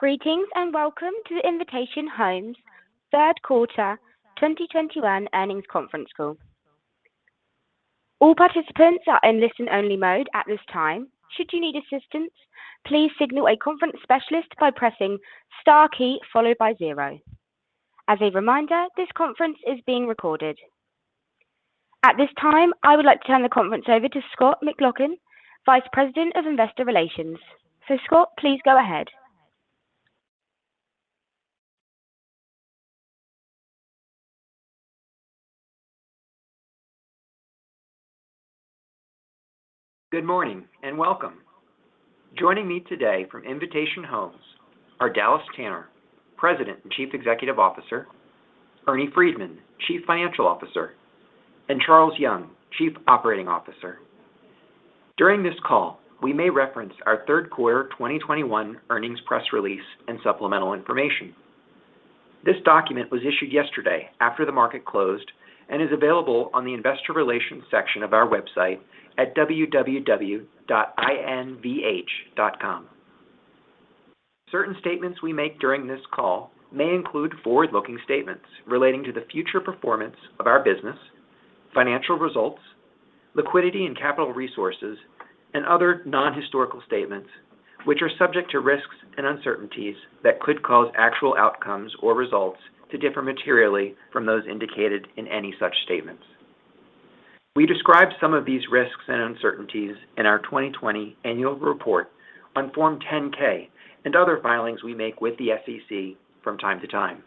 Greetings, and welcome to the Invitation Homes third quarter 2021 earnings conference call. All participants are in listen-only mode at this time. Should you need assistance, please signal a conference specialist by pressing star key followed by zero. As a reminder, this conference is being recorded. At this time, I would like to turn the conference over to Scott McLaughlin, Vice President of Investor Relations. Scott, please go ahead. Good morning, and welcome. Joining me today from Invitation Homes are Dallas Tanner, President and Chief Executive Officer, Ernie Freedman, Chief Financial Officer, and Charles Young, Chief Operating Officer. During this call, we may reference our third quarter 2021 earnings press release and supplemental information. This document was issued yesterday after the market closed, and is available on the investor relations section of our website at www.invh.com. Certain statements we make during this call may include forward-looking statements relating to the future performance of our business, financial results, liquidity and capital resources, and other non-historical statements, which are subject to risks and uncertainties that could cause actual outcomes or results to differ materially from those indicated in any such statements. We describe some of these risks and uncertainties in our 2020 annual report on Form 10-K and other filings we make with the SEC from time to time.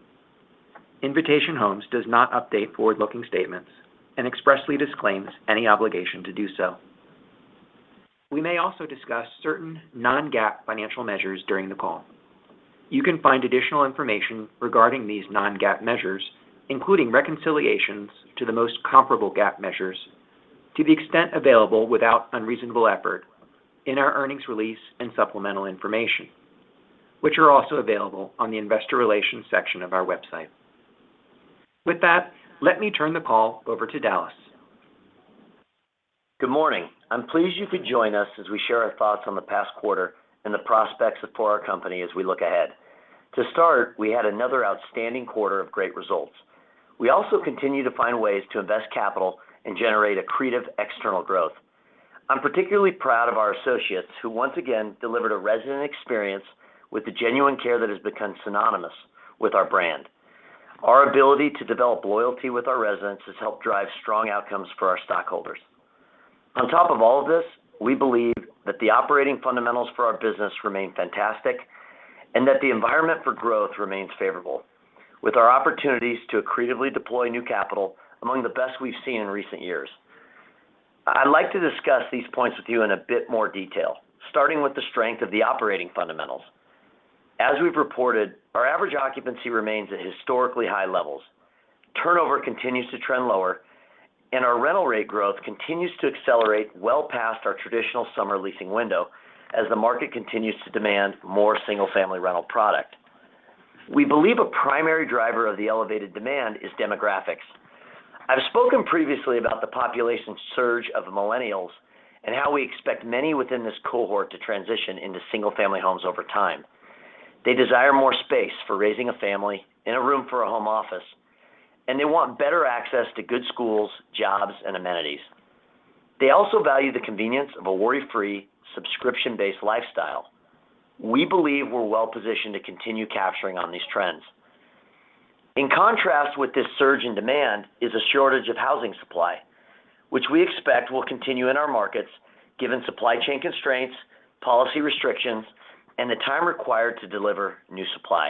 Invitation Homes does not update forward-looking statements and expressly disclaims any obligation to do so. We may also discuss certain non-GAAP financial measures during the call. You can find additional information regarding these non-GAAP measures, including reconciliations to the most comparable GAAP measures to the extent available without unreasonable effort in our earnings release and supplemental information, which are also available on the investor relations section of our website. With that, let me turn the call over to Dallas. Good morning. I'm pleased you could join us as we share our thoughts on the past quarter and the prospects for our company as we look ahead. To start, we had another outstanding quarter of great results. We also continue to find ways to invest capital and generate accretive external growth. I'm particularly proud of our associates who once again delivered a resident experience with the genuine care that has become synonymous with our brand. Our ability to develop loyalty with our residents has helped drive strong outcomes for our stockholders. On top of all of this, we believe that the operating fundamentals for our business remain fantastic and that the environment for growth remains favorable with our opportunities to accretively deploy new capital among the best we've seen in recent years. I'd like to discuss these points with you in a bit more detail, starting with the strength of the operating fundamentals. As we've reported, our average occupancy remains at historically high levels. Turnover continues to trend lower, and our rental rate growth continues to accelerate well past our traditional summer leasing window as the market continues to demand more single-family rental product. We believe a primary driver of the elevated demand is demographics. I've spoken previously about the population surge of millennials and how we expect many within this cohort to transition into single-family homes over time. They desire more space for raising a family and a room for a home office, and they want better access to good schools, jobs, and amenities. They also value the convenience of a worry-free, subscription-based lifestyle. We believe we're well positioned to continue capitalizing on these trends. In contrast with this surge in demand is a shortage of housing supply, which we expect will continue in our markets given supply chain constraints, policy restrictions, and the time required to deliver new supply.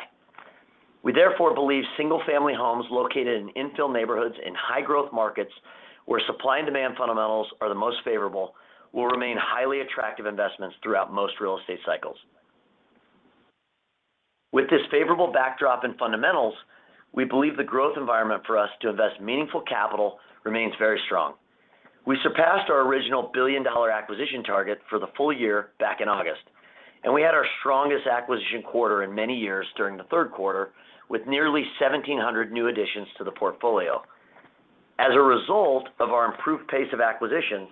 We therefore believe single-family homes located in infill neighborhoods in high-growth markets where supply, and demand fundamentals are the most favorable will remain highly attractive investments throughout most real estate cycles. With this favorable backdrop in fundamentals, we believe the growth environment for us to invest meaningful capital remains very strong. We surpassed our original billion-dollar acquisition target for the full year back in August, and we had our strongest acquisition quarter in many years during the third quarter with nearly 1,700 new additions to the portfolio. As a result of our improved pace of acquisitions,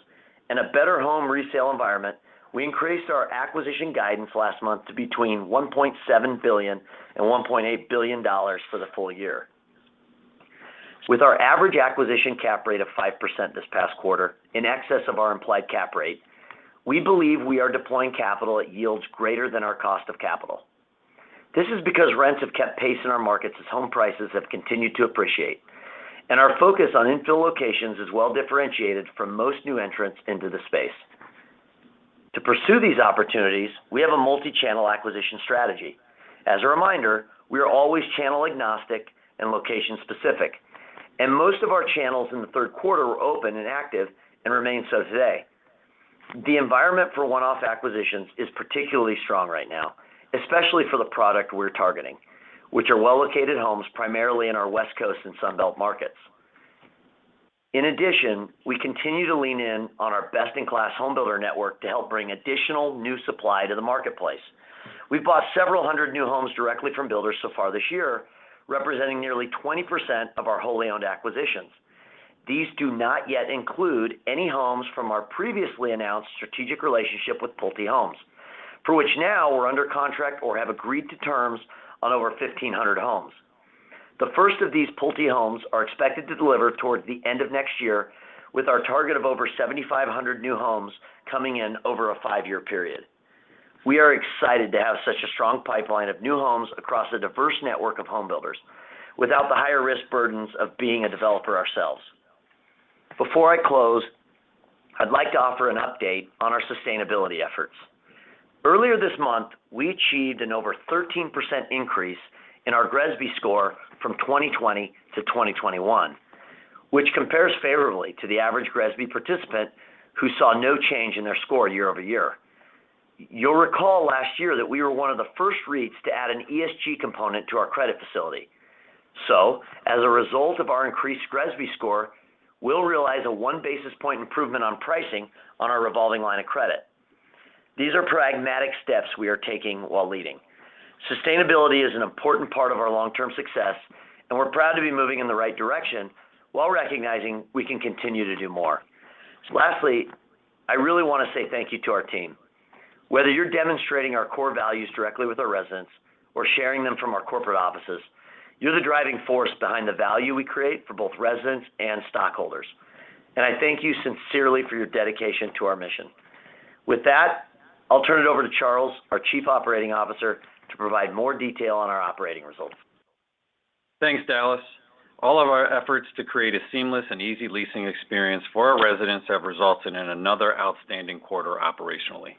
and a better home resale environment, we increased our acquisition guidance last month to between $1.7 billion and $1.8 billion for the full year. With our average acquisition cap rate of 5% this past quarter in excess of our implied cap rate, we believe we are deploying capital at yields greater than our cost of capital. This is because rents have kept pace in our markets as home prices have continued to appreciate, and our focus on infill locations is well-differentiated from most new entrants into the space. To pursue these opportunities, we have a multi-channel acquisition strategy. As a reminder, we are always channel-agnostic and location-specific, and most of our channels in the third quarter were open and active and remain so today. The environment for one-off acquisitions is particularly strong right now, especially for the product we're targeting, which are well-located homes primarily in our West Coast and Sun Belt markets. In addition, we continue to lean in on our best-in-class home builder network to help bring additional new supply to the marketplace. We've bought several hundred new homes directly from builders so far this year, representing nearly 20% of our wholly owned acquisitions. These do not yet include any homes from our previously announced strategic relationship with Pulte Homes, for which now we're under contract or have agreed to terms on over 1,500 homes. The first of these Pulte Homes are expected to deliver towards the end of next year, with our target of over 7,500 new homes coming in over a five-year period. We are excited to have such a strong pipeline of new homes across a diverse network of home builders without the higher risk burdens of being a developer ourselves. Before I close, I'd like to offer an update on our sustainability efforts. Earlier this month, we achieved an over 13% increase in our GRESB score from 2020 to 2021, which compares favorably to the average GRESB participant who saw no change in their score year over year. You'll recall last year that we were one of the first REITs to add an ESG component to our credit facility. As a result of our increased GRESB score, we'll realize a one basis point improvement on pricing on our revolving line of credit. These are pragmatic steps we are taking while leading. Sustainability is an important part of our long-term success, and we're proud to be moving in the right direction while recognizing we can continue to do more. Lastly, I really want to say thank you to our team. Whether you're demonstrating our core values directly with our residents or sharing them from our corporate offices, you're the driving force behind the value we create for both residents and stockholders. I thank you sincerely for your dedication to our mission. With that, I'll turn it over to Charles, our Chief Operating Officer, to provide more detail on our operating results. Thanks, Dallas. All of our efforts to create a seamless and easy leasing experience for our residents have resulted in another outstanding quarter operationally.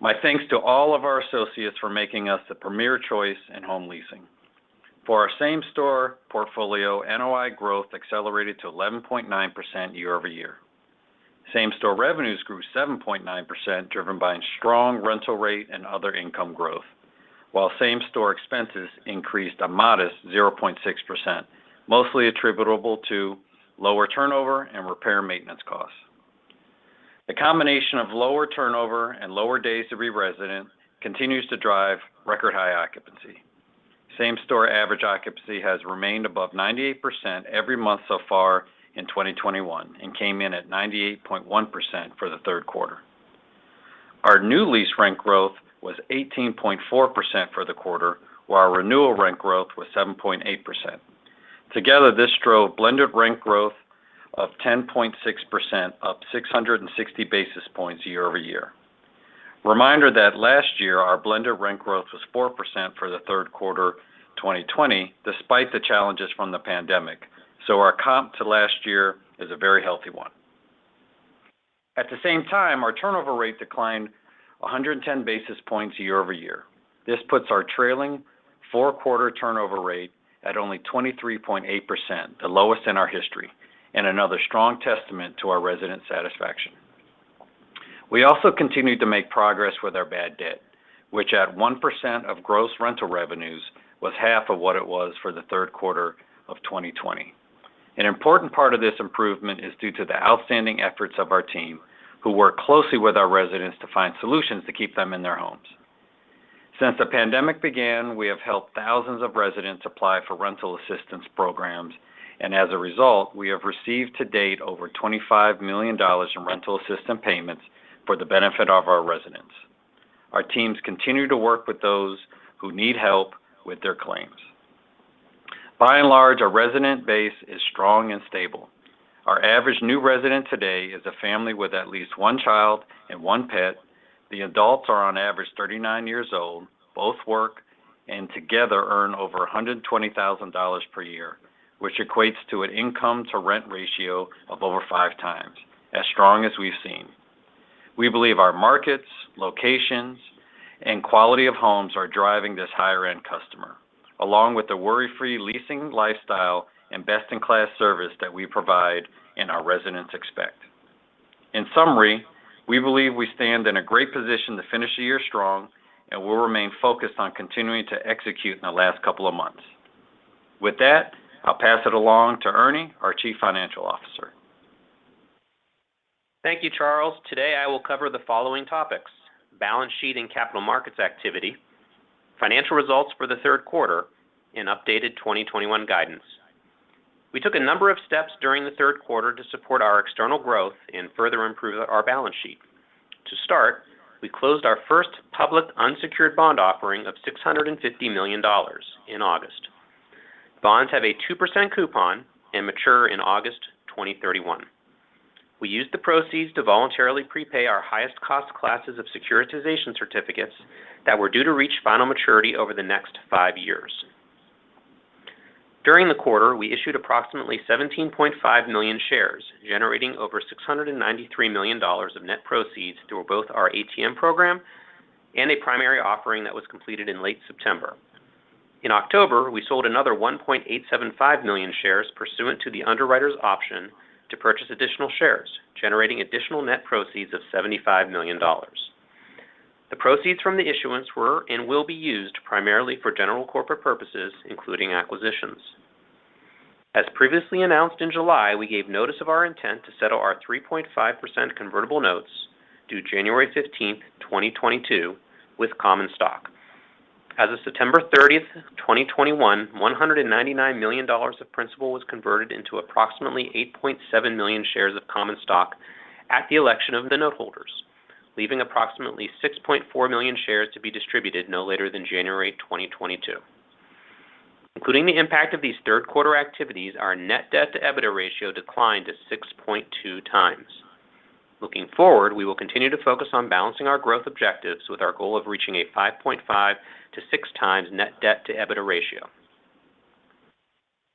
My thanks to all of our associates for making us the premier choice in home leasing. For our same-store portfolio, NOI growth accelerated to 11.9% year-over-year. Same-store revenues grew 7.9%, driven by a strong rental rate and other income growth, while same-store expenses increased a modest 0.6%, mostly attributable to lower turnover and repair maintenance costs. The combination of lower turnover and lower days to re-resident continues to drive record high occupancy. Same-store average occupancy has remained above 98% every month so far in 2021 and came in at 98.1% for the third quarter. Our new lease rent growth was 18.4% for the quarter, while our renewal rent growth was 7.8%. Together, this drove blended rent growth of 10.6%, up 660 basis points year-over-year. Reminder that last year our blended rent growth was 4% for the third quarter 2020, despite the challenges from the pandemic. Our comp to last year is a very healthy one. At the same time, our turnover rate declined 110 basis points year-over-year. This puts our trailing four-quarter turnover rate at only 23.8%, the lowest in our history, and another strong testament to our resident satisfaction. We also continued to make progress with our bad debt, which at 1% of gross rental revenues, was half of what it was for the third quarter of 2020. An important part of this improvement is due to the outstanding efforts of our team, who work closely with our residents to find solutions to keep them in their homes. Since the pandemic began, we have helped thousands of residents apply for rental assistance programs, and as a result, we have received to date over $25 million in rental assistance payments for the benefit of our residents. Our teams continue to work with those who need help with their claims. By and large, our resident base is strong and stable. Our average new resident today is a family with at least one child and one pet. The adults are on average 39 years old, both work, and together earn over $120,000 per year, which equates to an income-to-rent ratio of over 5x as strong as we've seen. We believe our markets, locations, and quality of homes are driving this higher end customer, along with the worry-free leasing lifestyle and best-in-class service that we provide and our residents expect. In summary, we believe we stand in a great position to finish the year strong and will remain focused on continuing to execute in the last couple of months. With that, I'll pass it along to Ernie, our Chief Financial Officer. Thank you, Charles. Today, I will cover the following topics, balance sheet and capital markets activity, financial results for the third quarter, and updated 2021 guidance. We took a number of steps during the third quarter to support our external growth and further improve our balance sheet. To start, we closed our first public unsecured bond offering of $650 million in August. Bonds have a 2% coupon and mature in August 2031. We used the proceeds to voluntarily prepay our highest cost classes of securitization certificates that were due to reach final maturity over the next five years. During the quarter, we issued approximately 17.5 million shares, generating over $693 million of net proceeds through both our ATM program and a primary offering that was completed in late September. In October, we sold another 1.875 million shares pursuant to the underwriter's option to purchase additional shares, generating additional net proceeds of $75 million. The proceeds from the issuance were and will be used primarily for general corporate purposes, including acquisitions. As previously announced in July, we gave notice of our intent to settle our 3.5% convertible notes due January 15, 2022, with common stock. As of September 30, 2021, $199 million of principal was converted into approximately 8.7 million shares of common stock at the election of the noteholders, leaving approximately 6.4 million shares to be distributed no later than January 2022. Including the impact of these third quarter activities, our net debt to EBITDA ratio declined to 6.2x. Looking forward, we will continue to focus on balancing our growth objectives with our goal of reaching a 5.5-6x net debt to EBITDA ratio.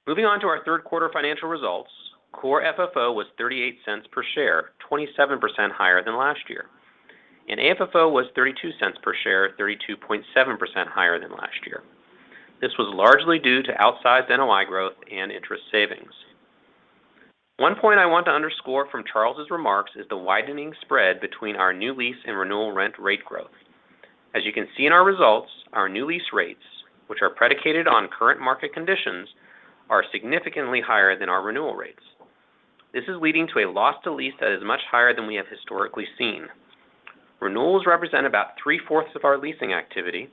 Moving on to our third quarter financial results, core FFO was $0.38 per share, 27% higher than last year, and AFFO was $0.32 per share, 32.7% higher than last year. This was largely due to outsized NOI growth and interest savings. One point I want to underscore from Charles' remarks is the widening spread between our new lease and renewal rent rate growth. As you can see in our results, our new lease rates, which are predicated on current market conditions, are significantly higher than our renewal rates. This is leading to a loss to lease that is much higher than we have historically seen. Renewals represent about three-fourths of our leasing activity,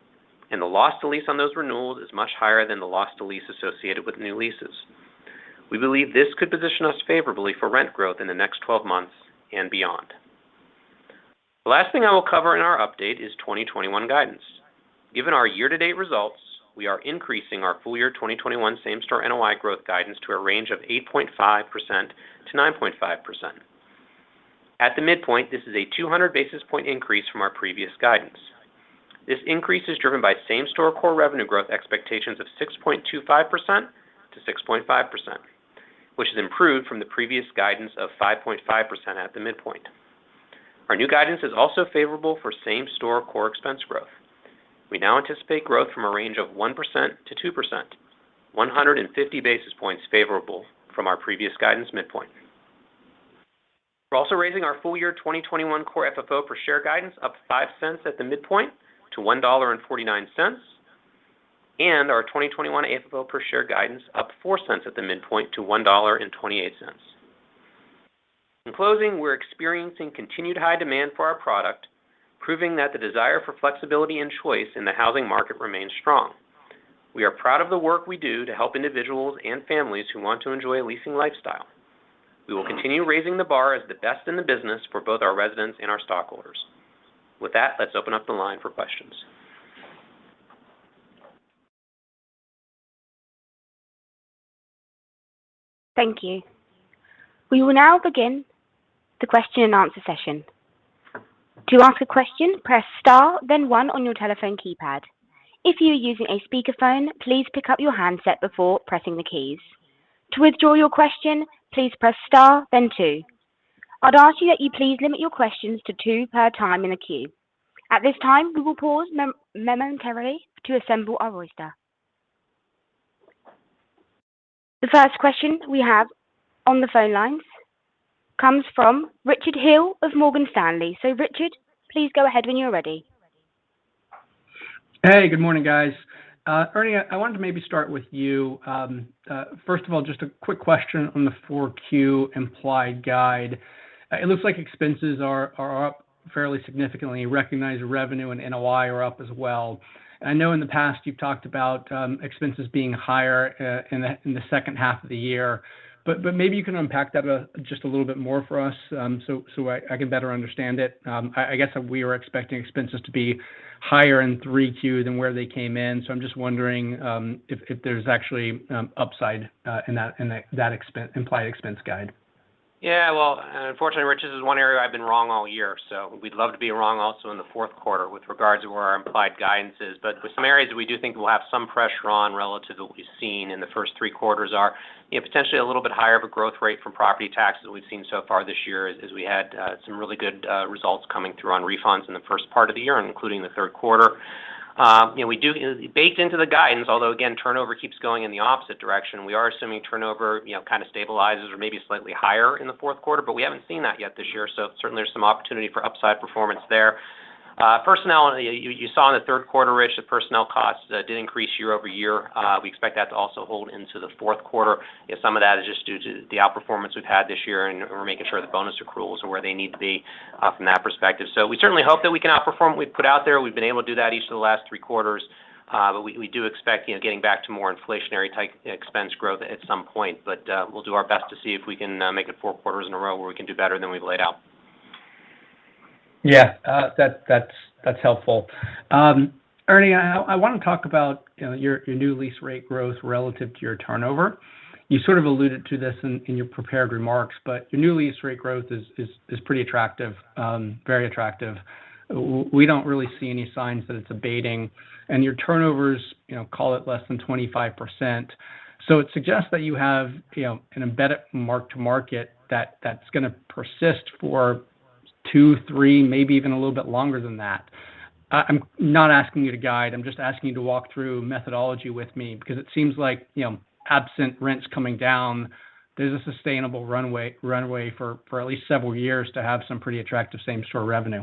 and the loss to lease on those renewals is much higher than the loss to lease associated with new leases. We believe this could position us favorably for rent growth in the next 12 months and beyond. The last thing I will cover in our update is 2021 guidance. Given our year-to-date results, we are increasing our full-year 2021 same-store NOI growth guidance to a range of 8.5%-9.5%. At the midpoint, this is a 200 basis point increase from our previous guidance. This increase is driven by same-store core revenue growth expectations of 6.25%-6.5%, which has improved from the previous guidance of 5.5% at the midpoint. Our new guidance is also favorable for same-store core expense growth. We now anticipate growth from a range of 1%-2%, 150 basis points favorable from our previous guidance midpoint. We're also raising our full-year 2021 core FFO per share guidance up $0.05 at the midpoint to $1.49, and our 2021 AFFO per share guidance up $0.04 at the midpoint to $1.28. In closing, we're experiencing continued high demand for our product, proving that the desire for flexibility and choice in the housing market remains strong. We are proud of the work we do to help individuals and families who want to enjoy a leasing lifestyle. We will continue raising the bar as the best in the business for both our residents and our stockholders. With that, let's open up the line for questions. Thank you. We will now begin the question and answer session. To ask a question, press star then one on your telephone keypad. If you are using a speakerphone, please pick up your handset before pressing the keys. To withdraw your question, please press star then two. I'd ask that you please limit your questions to two at a time in the queue. At this time, we will pause momentarily to assemble our roster. The first question we have on the phone lines comes from Richard Hill of Morgan Stanley. Richard, please go ahead when you're ready. Hey, good morning, guys. Ernie, I wanted to maybe start with you. First of all, just a quick question on the 4Q implied guide. It looks like expenses are up fairly significantly. Recognized revenue and NOI are up as well. I know in the past you've talked about expenses being higher in the second half of the year. Maybe you can unpack that just a little bit more for us, so I can better understand it. I guess we were expecting expenses to be higher in 3Q than where they came in. I'm just wondering if there's actually upside in that implied expense guide. Yeah, well, unfortunately, Richard, this is one area I've been wrong all year, so we'd love to be wrong also in the fourth quarter with regards to where our implied guidance is. Some areas we do think we'll have some pressure on relative to what we've seen in the first three quarters are, you know, potentially a little bit higher of a growth rate from property taxes we've seen so far this year as we had some really good results coming through on refunds in the first part of the year, including the third quarter. Baked into the guidance, although again, turnover keeps going in the opposite direction. We are assuming turnover, you know, kind of stabilizes or may be slightly higher in the fourth quarter, but we haven't seen that yet this year. Certainly there's some opportunity for upside performance there. Personnel, you saw in the third quarter, Rich, the personnel costs did increase year-over-year. We expect that to also hold into the fourth quarter. You know, some of that is just due to the outperformance we've had this year, and we're making sure the bonus accruals are where they need to be from that perspective. We certainly hope that we can outperform what we've put out there. We've been able to do that each of the last three quarters. We do expect, you know, getting back to more inflationary type expense growth at some point. We'll do our best to see if we can make it four quarters in a row where we can do better than we've laid out. Yeah. That's helpful. Ernie, I wanna talk about, you know, your new lease rate growth relative to your turnover. You sort of alluded to this in your prepared remarks, but your new lease rate growth is pretty attractive, very attractive. We don't really see any signs that it's abating. Your turnover's, you know, call it less than 25%. It suggests that you have, you know, an embedded mark-to-market that's gonna persist for two, three, maybe even a little bit longer than that. I'm not asking you to guide. I'm just asking you to walk through methodology with me because it seems like, you know, absent rents coming down, there's a sustainable runway for at least several years to have some pretty attractive same-store revenue.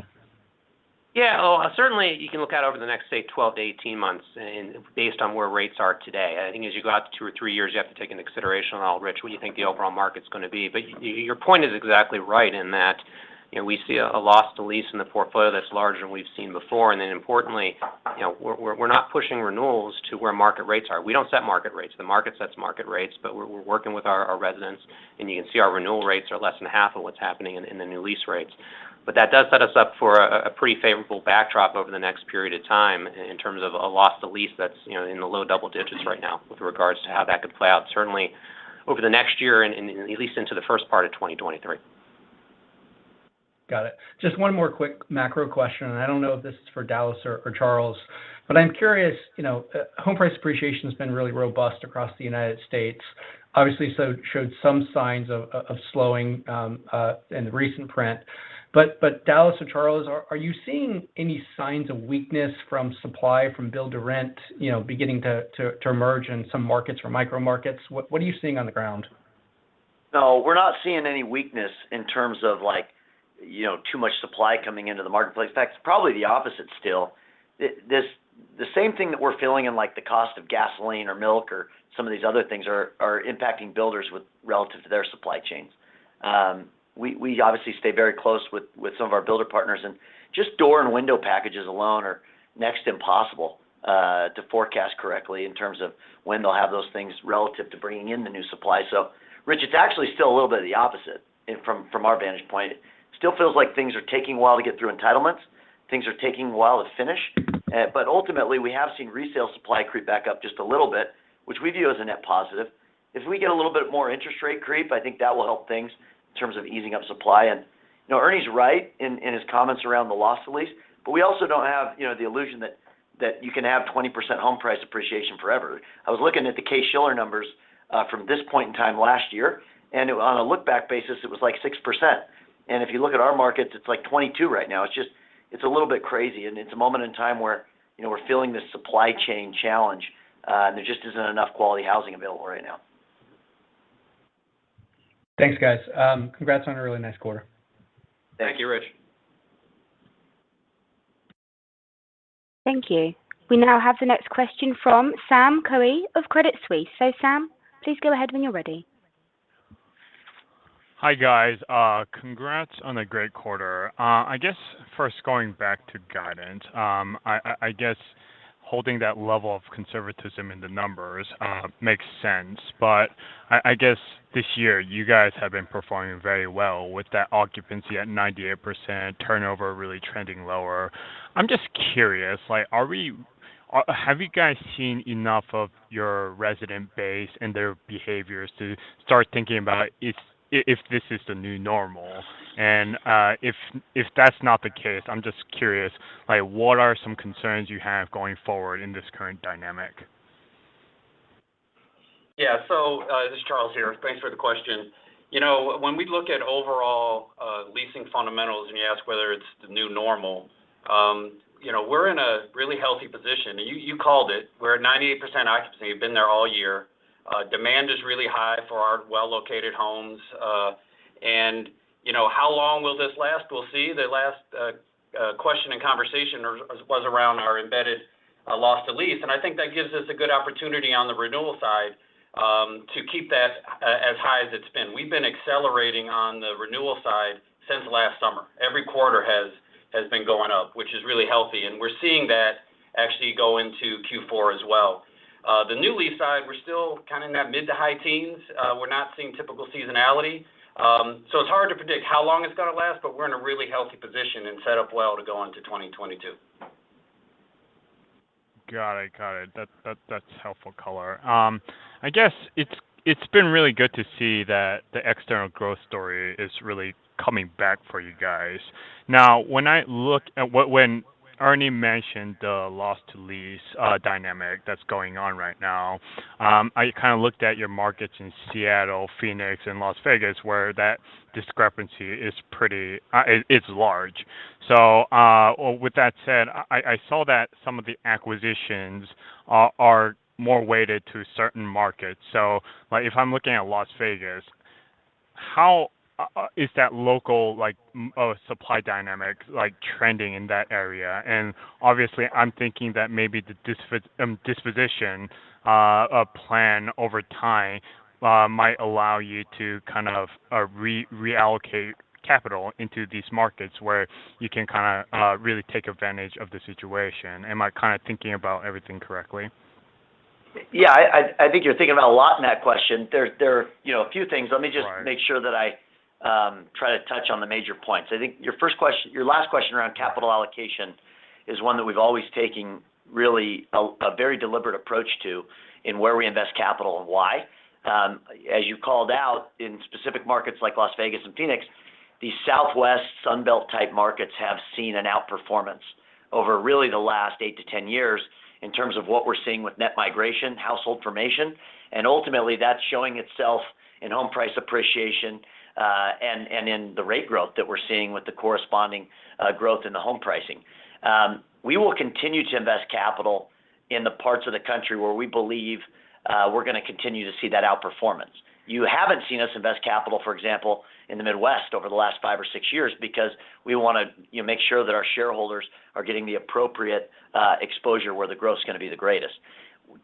Yeah. Well, certainly you can look out over the next, say, 12-18 months and based on where rates are today. I think as you go out to two or three years, you have to take into consideration, Rich, what you think the overall market's gonna be. Your point is exactly right in that you know, we see a loss to lease in the portfolio that's larger than we've seen before. Then importantly, you know, we're not pushing renewals to where market rates are. We don't set market rates. The market sets market rates, but we're working with our residents, and you can see our renewal rates are less than half of what's happening in the new lease rates. that does set us up for a pretty favorable backdrop over the next period of time in terms of a loss to lease that's, you know, in the low double digits right now with regards to how that could play out certainly over the next year and at least into the first part of 2023. Got it. Just one more quick macro question, and I don't know if this is for Dallas or Charles. I'm curious, you know, home price appreciation has been really robust across the United States. Obviously, it's shown some signs of slowing in the recent print. Dallas or Charles, are you seeing any signs of weakness from supply, from build to rent, you know, beginning to emerge in some markets or micro-markets? What are you seeing on the ground? No, we're not seeing any weakness in terms of like, you know, too much supply coming into the marketplace. In fact, it's probably the opposite still. The same thing that we're feeling in like the cost of gasoline or milk or some of these other things are impacting builders with respect to their supply chains. We obviously stay very close with some of our builder partners, and just door and window packages alone are next to impossible to forecast correctly in terms of when they'll have those things relative to bringing in the new supply. Rich, it's actually still a little bit of the opposite from our vantage point. Still feels like things are taking a while to get through entitlements. Things are taking a while to finish. Ultimately, we have seen resale supply creep back up just a little bit, which we view as a net positive. If we get a little bit more interest rate creep, I think that will help things in terms of easing up supply. You know, Ernie's right in his comments around the loss to lease, but we also don't have, you know, the illusion that you can have 20% home price appreciation forever. I was looking at the Case-Shiller numbers from this point in time last year, and on a look back basis, it was like 6%. If you look at our markets, it's like 22% right now. It's just, it's a little bit crazy, and it's a moment in time where, you know, we're feeling this supply chain challenge, and there just isn't enough quality housing available right now. Thanks, guys. Congrats on a really nice quarter. Thank you, Rich. Thank you. We now have the next question from Sam Cui of Credit Suisse. Sam, please go ahead when you're ready. Hi, guys. Congrats on a great quarter. I guess first going back to guidance, I guess holding that level of conservatism in the numbers makes sense. I guess this year you guys have been performing very well with that occupancy at 98%, turnover really trending lower. I'm just curious, like, have you guys seen enough of your resident base and their behaviors to start thinking about if this is the new normal? If that's not the case, I'm just curious, like, what are some concerns you have going forward in this current dynamic? Yeah. This is Charles here. Thanks for the question. You know, when we look at overall leasing fundamentals and you ask whether it's the new normal, you know, we're in a really healthy position. You called it. We're at 98% occupancy. We've been there all year. Demand is really high for our well-located homes. You know, how long will this last? We'll see. The last question and conversation was around our embedded loss to lease, and I think that gives us a good opportunity on the renewal side to keep that as high as it's been. We've been accelerating on the renewal side since last summer. Every quarter has been going up, which is really healthy, and we're seeing that actually go into Q4 as well. The new lease side, we're still kind of in that mid to high teens. We're not seeing typical seasonality. It's hard to predict how long it's gonna last, but we're in a really healthy position and set up well to go into 2022. Got it. That's helpful color. I guess it's been really good to see that the external growth story is really coming back for you guys. Now, when Ernie mentioned the loss to lease dynamic that's going on right now, I kind of looked at your markets in Seattle, Phoenix, and Las Vegas, where that discrepancy is pretty large. With that said, I saw that some of the acquisitions are more weighted to certain markets. Like, if I'm looking at Las Vegas, how is that local supply dynamic trending in that area? Obviously, I'm thinking that maybe the disposition plan over time might allow you to kind of reallocate capital into these markets where you can kind of really take advantage of the situation. Am I kind of thinking about everything correctly? Yeah. I think you're thinking about a lot in that question. There are, you know, a few things. Right. Let me just make sure that I try to touch on the major points. I think your last question around capital allocation is one that we've always taken really a very deliberate approach to in where we invest capital and why. As you called out in specific markets like Las Vegas and Phoenix, these Southwest Sun Belt type markets have seen an outperformance over really the last eight to ten years in terms of what we're seeing with net migration, household formation, and ultimately that's showing itself in home price appreciation, and in the rent growth that we're seeing with the corresponding growth in the home prices. We will continue to invest capital in the parts of the country where we believe we're gonna continue to see that outperformance. You haven't seen us invest capital, for example, in the Midwest over the last five or six years because we wanna, you know, make sure that our shareholders are getting the appropriate exposure where the growth is gonna be the greatest.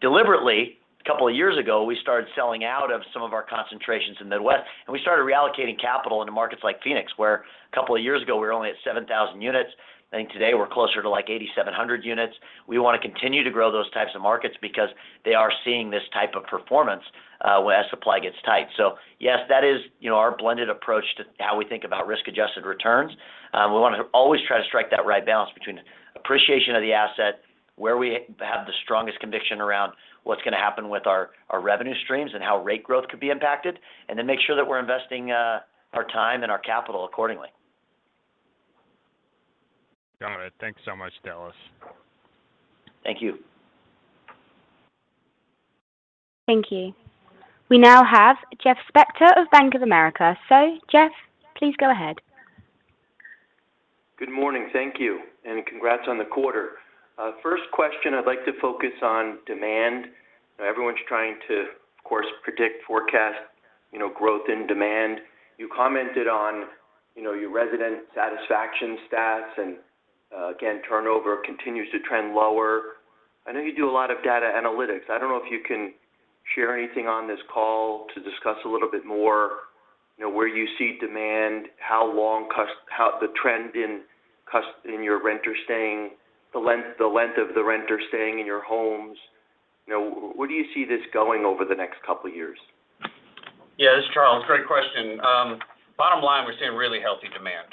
Deliberately, a couple of years ago, we started selling out of some of our concentrations in Midwest, and we started reallocating capital into markets like Phoenix, where a couple of years ago, we were only at 7,000 units. I think today we're closer to, like, 8,700 units. We wanna continue to grow those types of markets because they are seeing this type of performance, as supply gets tight. So yes, that is, you know, our blended approach to how we think about risk-adjusted returns. We wanna always try to strike that right balance between appreciation of the asset, where we have the strongest conviction around what's gonna happen with our revenue streams and how rate growth could be impacted, and then make sure that we're investing our time and our capital accordingly. Got it. Thanks so much, Dallas. Thank you. Thank you. We now have Jeff Spector of Bank of America. Jeff, please go ahead. Good morning. Thank you, and congrats on the quarter. First question, I'd like to focus on demand. Everyone's trying to, of course, predict, forecast, you know, growth in demand. You commented on, you know, your resident satisfaction stats, and, again, turnover continues to trend lower. I know you do a lot of data analytics. I don't know if you can share anything on this call to discuss a little bit more, you know, where you see demand, how the trend in your renter staying, the length of the renter staying in your homes. You know, where do you see this going over the next couple of years? Yeah, this is Charles. Great question. Bottom line, we're seeing really healthy demand.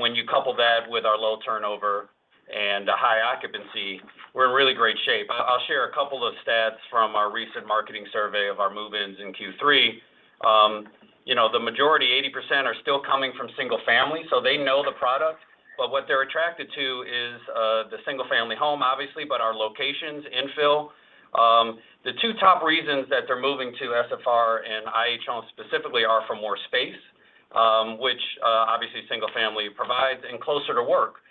When you couple that with our low turnover and a high occupancy, we're in really great shape. I'll share a couple of stats from our recent marketing survey of our move-ins in Q3. You know, the majority, 80%, are still coming from single family, so they know the product. What they're attracted to is the single family home, obviously, but our infill locations. The two top reasons that they're moving to SFR and IH homes specifically are for more space, which obviously single family provides, and closer to work,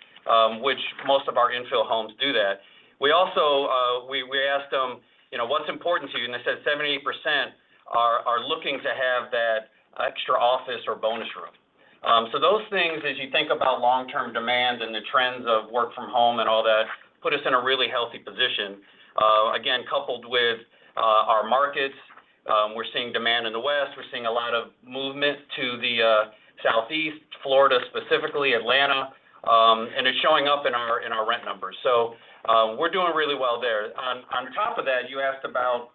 which most of our infill homes do that. We also asked them, you know, "What's important to you?" They said 78% are looking to have that extra office or bonus room. Those things, as you think about long-term demand and the trends of work from home and all that, put us in a really healthy position. Again, coupled with our markets, we're seeing demand in the West. We're seeing a lot of movement to the Southeast, Florida, specifically Atlanta, and it's showing up in our rent numbers. We're doing really well there. On top of that, you asked about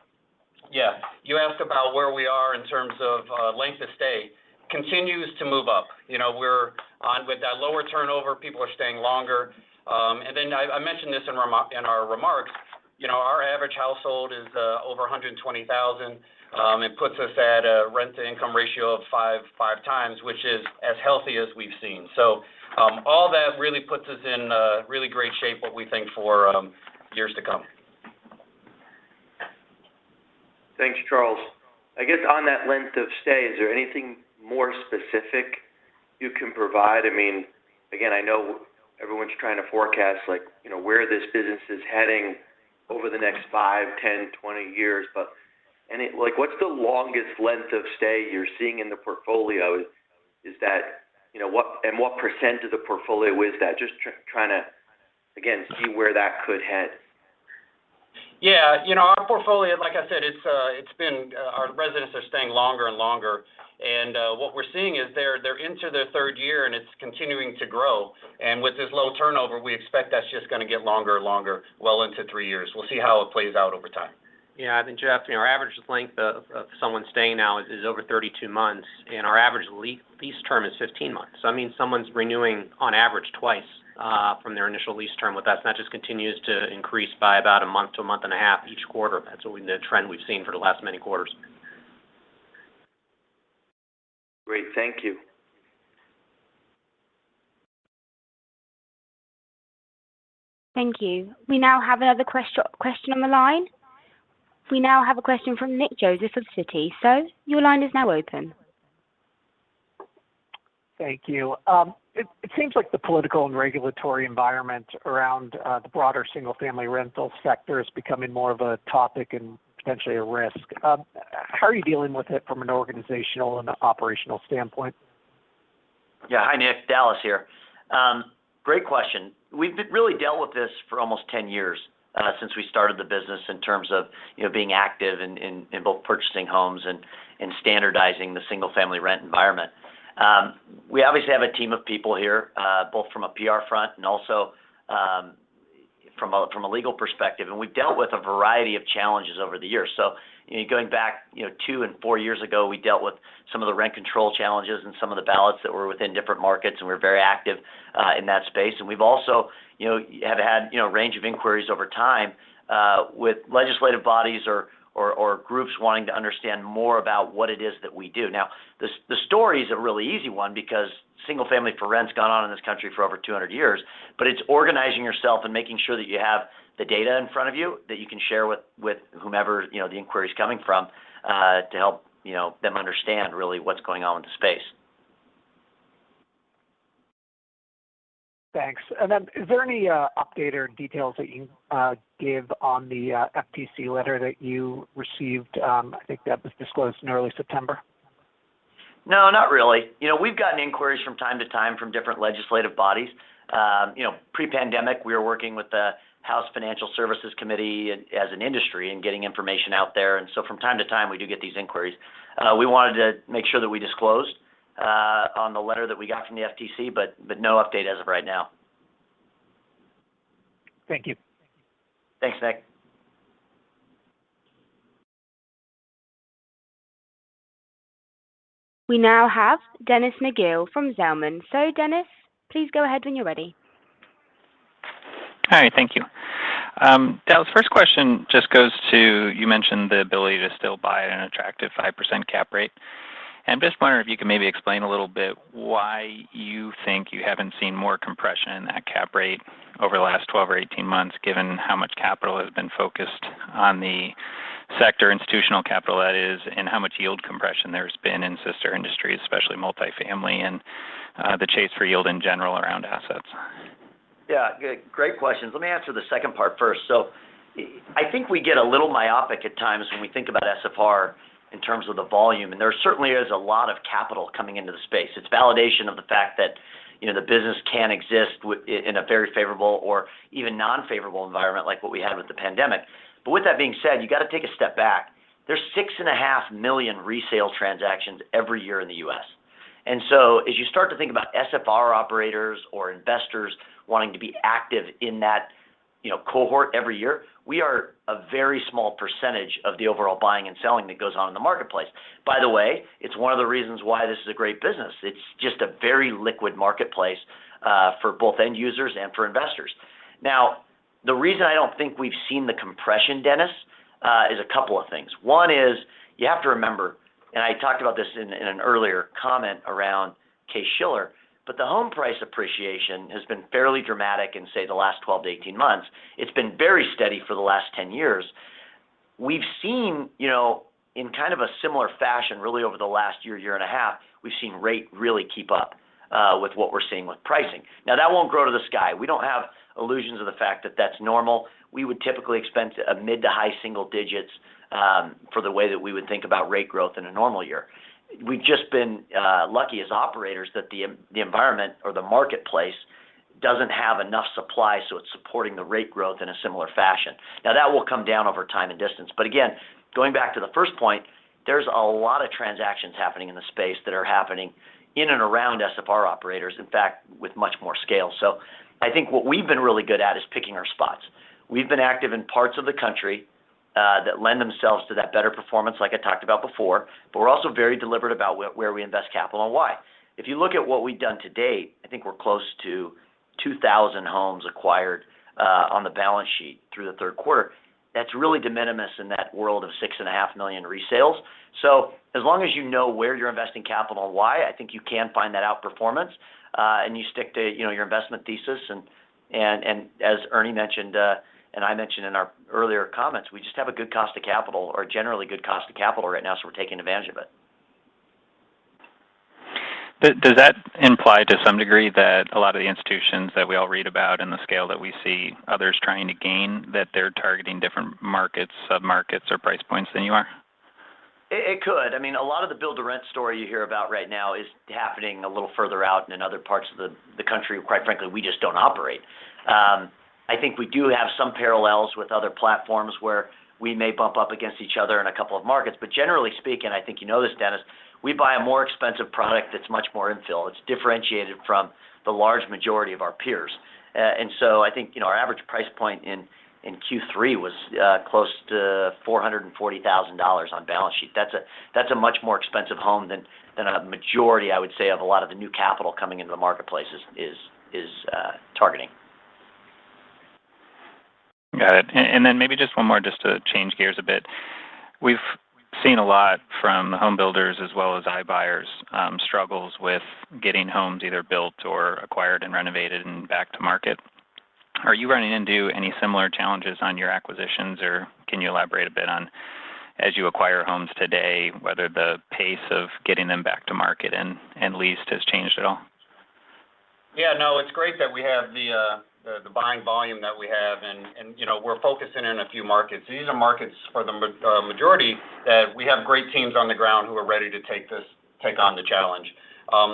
Yeah, you asked about where we are in terms of length of stay, [it] continues to move up. You know, we're on with that lower turnover. People are staying longer. Then I mentioned this in our remarks, you know, our average household is over 120,000. It puts us at a rent-to-income ratio of five times, which is as healthy as we've seen. All that really puts us in really great shape, what we think for years to come. Thanks, Charles. I guess on that length of stay, is there anything more specific you can provide? I mean, again, I know everyone's trying to forecast, like, you know, where this business is heading over the next 5, 10, 20 years. Like, what's the longest length of stay you're seeing in the portfolio? You know, what % of the portfolio is that? Just trying to, again, see where that could head. Yeah. You know, our portfolio, like I said, it's been our residents are staying longer and longer. What we're seeing is they're into their third year, and it's continuing to grow. With this low turnover, we expect that's just gonna get longer and longer, well into three years. We'll see how it plays out over time. Yeah. I think, Jeff, you know, our average length of someone staying now is over 32 months, and our average lease term is 15 months. That means someone's renewing on average twice from their initial lease term with us, and that just continues to increase by about a month to a month and a half each quarter. That's the trend we've seen for the last many quarters. Great. Thank you. Thank you. We now have another question on the line. We now have a question from Nick Joseph of Citi. Your line is now open. Thank you. It seems like the political and regulatory environment around the broader single-family rental sector is becoming more of a topic and potentially a risk. How are you dealing with it from an organizational and operational standpoint? Yeah. Hi, Nick. Dallas here. Great question. We've really dealt with this for almost 10 years since we started the business in terms of you know being active in both purchasing homes and standardizing the single-family rent environment. We obviously have a team of people here both from a PR front and also from a legal perspective and we've dealt with a variety of challenges over the years. You know going back you know two and four years ago we dealt with some of the rent control challenges and some of the ballots that were within different markets and we're very active in that space. We've also, you know, have had a range of inquiries over time with legislative bodies or groups wanting to understand more about what it is that we do. Now, the story is a really easy one because single-family for rent's gone on in this country for over 200 years. It's organizing yourself and making sure that you have the data in front of you that you can share with whomever, you know, the inquiry is coming from to help, you know, them understand really what's going on with the space. Thanks. Is there any update or details that you can give on the FTC letter that you received? I think that was disclosed in early September. No, not really. You know, we've gotten inquiries from time to time from different legislative bodies. You know, pre-pandemic, we were working with the House Financial Services Committee as an industry and getting information out there. From time to time, we do get these inquiries. We wanted to make sure that we disclosed on the letter that we got from the FTC, but no update as of right now. Thank you. Thanks, Nick. We now have Dennis McGill from Zelman. Dennis, please go ahead when you're ready. Hi, thank you. Dallas, first question just goes to you mentioned the ability to still buy an attractive 5% cap rate. Just wondering if you could maybe explain a little bit why you think you haven't seen more compression in that cap rate over the last 12 or 18 months, given how much capital has been focused on the sector institutional capital, that is, and how much yield compression there's been in sister industries, especially multifamily, and the chase for yield in general around assets. Yeah. Good. Great questions. Let me answer the second part first. I think we get a little myopic at times when we think about SFR in terms of the volume, and there certainly is a lot of capital coming into the space. It's validation of the fact that, you know, the business can exist in a very favorable or even unfavorable environment like what we had with the pandemic. With that being said, you got to take a step back. There's 6.5 million resale transactions every year in the U.S. as you start to think about SFR operators or investors wanting to be active in that, you know, cohort every year, we are a very small percentage of the overall buying and selling that goes on in the marketplace. By the way, it's one of the reasons why this is a great business. It's just a very liquid marketplace for both end users and for investors. Now, the reason I don't think we've seen the compression, Dennis, is a couple of things. One is you have to remember, and I talked about this in an earlier comment around Case-Shiller, but the home price appreciation has been fairly dramatic in, say, the last 12-18 months. It's been very steady for the last 10 years. We've seen, you know, in kind of a similar fashion, really over the last year and a half, we've seen rate really keep up with what we're seeing with pricing. Now, that won't grow to the sky. We don't have illusions of the fact that that's normal. We would typically expect a mid- to high-single digits for the way that we would think about rate growth in a normal year. We've just been lucky as operators that the environment or the marketplace doesn't have enough supply, so it's supporting the rate growth in a similar fashion. Now that will come down over time and distance. Again, going back to the first point, there's a lot of transactions happening in the space that are happening in and around SFR operators, in fact, with much more scale. I think what we've been really good at is picking our spots. We've been active in parts of the country that lend themselves to that better performance like I talked about before. We're also very deliberate about where we invest capital and why. If you look at what we've done to date, I think we're close to 2,000 homes acquired on the balance sheet through the third quarter. That's really de minimis in that world of 6.5 million resales. As long as you know where you're investing capital and why, I think you can find that outperformance, and you stick to, you know, your investment thesis. As Ernie mentioned, and I mentioned in our earlier comments, we just have a good cost of capital or generally good cost of capital right now, so we're taking advantage of it. Does that imply to some degree that a lot of the institutions that we all read about and the scale that we see others trying to gain, that they're targeting different markets, submarkets or price points than you are? It could. I mean, a lot of the build to rent story you hear about right now is happening a little further out and in other parts of the country, quite frankly, we just don't operate. I think we do have some parallels with other platforms where we may bump up against each other in a couple of markets. Generally speaking, I think you know this, Dennis, we buy a more expensive product that's much more infill. It's differentiated from the large majority of our peers. I think, you know, our average price point in Q3 was close to $440,000 on balance sheet. That's a much more expensive home than a majority, I would say, of a lot of the new capital coming into the marketplace is targeting. Got it. Maybe just one more just to change gears a bit. We've seen a lot from the home builders as well as iBuyers, struggles with getting homes either built or acquired, and renovated and back to market. Are you running into any similar challenges on your acquisitions, or can you elaborate a bit on, as you acquire homes today, whether the pace of getting them back to market and leased has changed at all? Yeah, no, it's great that we have the buying volume that we have and, you know, we're focusing in a few markets. These are markets for the majority that we have great teams on the ground who are ready to take on the challenge.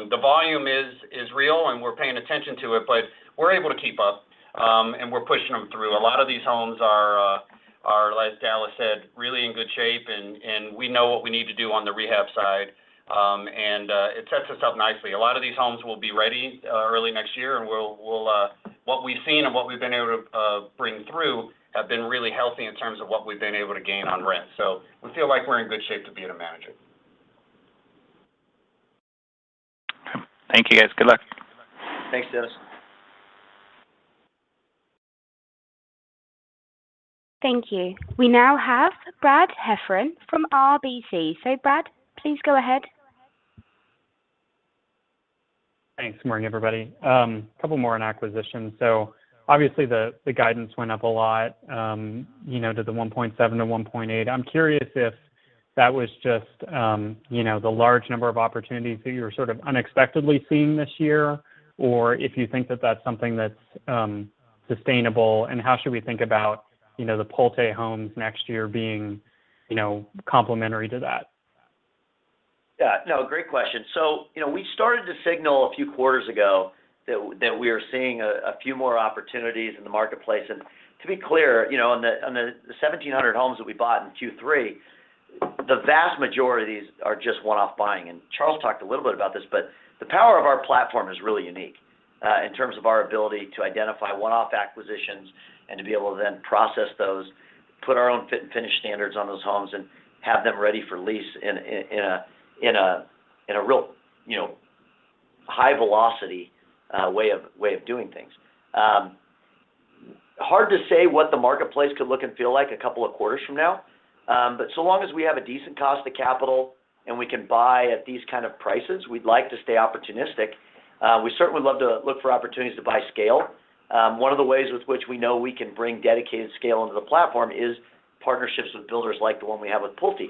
The volume is real and we're paying attention to it, but we're able to keep up and we're pushing them through. A lot of these homes are, as Dallas said, really in good shape and we know what we need to do on the rehab side and it sets us up nicely. A lot of these homes will be ready early next year, and we'll. What we've seen and what we've been able to bring through have been really healthy in terms of what we've been able to gain on rent. We feel like we're in good shape to be able to manage it. Thank you, guys. Good luck. Thanks, Dennis. Thank you. We now have Brad Heffern from RBC. Brad, please go ahead. Thanks. Good morning, everybody. A couple more on acquisitions. Obviously the guidance went up a lot to 1.7-1.8. I'm curious if that was just the large number of opportunities that you're sort of unexpectedly seeing this year, or if you think that that's something that's sustainable, and how should we think aboutYou know, the Pulte Homes next year being, you know, complementary to that. Yeah, no, great question. You know, we started to signal a few quarters ago that we are seeing a few more opportunities in the marketplace. To be clear, you know, on the 1,700 homes that we bought in Q3, the vast majorities are just one-off buying. Charles talked a little bit about this, but the power of our platform is really unique in terms of our ability to identify one-off acquisitions and to be able to then process those, put our own fit and finish standards on those homes, and have them ready for lease in a real, you know, high velocity way of doing things. Hard to say what the marketplace could look and feel like a couple of quarters from now. So long as we have a decent cost of capital and we can buy at these kind of prices, we'd like to stay opportunistic. We certainly would love to look for opportunities to buy scale. One of the ways with which we know we can bring dedicated scale into the platform is partnerships with builders like the one we have with Pulte.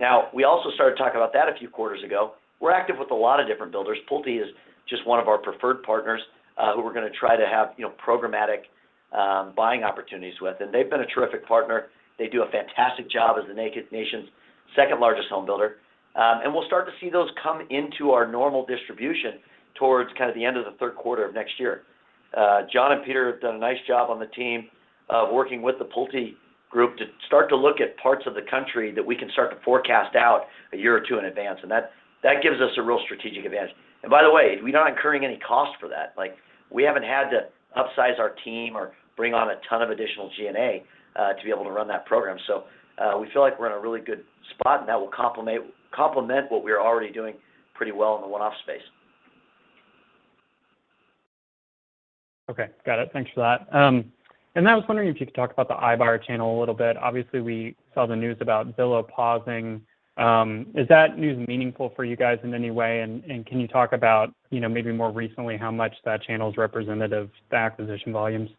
Now, we also started talking about that a few quarters ago. We're active with a lot of different builders. Pulte is just one of our preferred partners, who we're gonna try to have, you know, programmatic, buying opportunities with. They've been a terrific partner. They do a fantastic job as the nation's second-largest home builder. We'll start to see those come into our normal distribution towards kind of the end of the third quarter of next year. John and Peter have done a nice job on the team of working with the PulteGroup to start to look at parts of the country that we can start to forecast out a year or two in advance, and that gives us a real strategic advantage. By the way, we're not incurring any cost for that. Like, we haven't had to upsize our team or bring on a ton of additional G&A to be able to run that program. We feel like we're in a really good spot, and that will complement what we're already doing pretty well in the one-off space. Okay. Got it. Thanks for that. I was wondering if you could talk about the iBuyer channel a little bit. Obviously, we saw the news about Zillow pausing. Is that news meaningful for you guys in any way? Can you talk about, you know, maybe more recently how much that channel is representative of the acquisition volumes?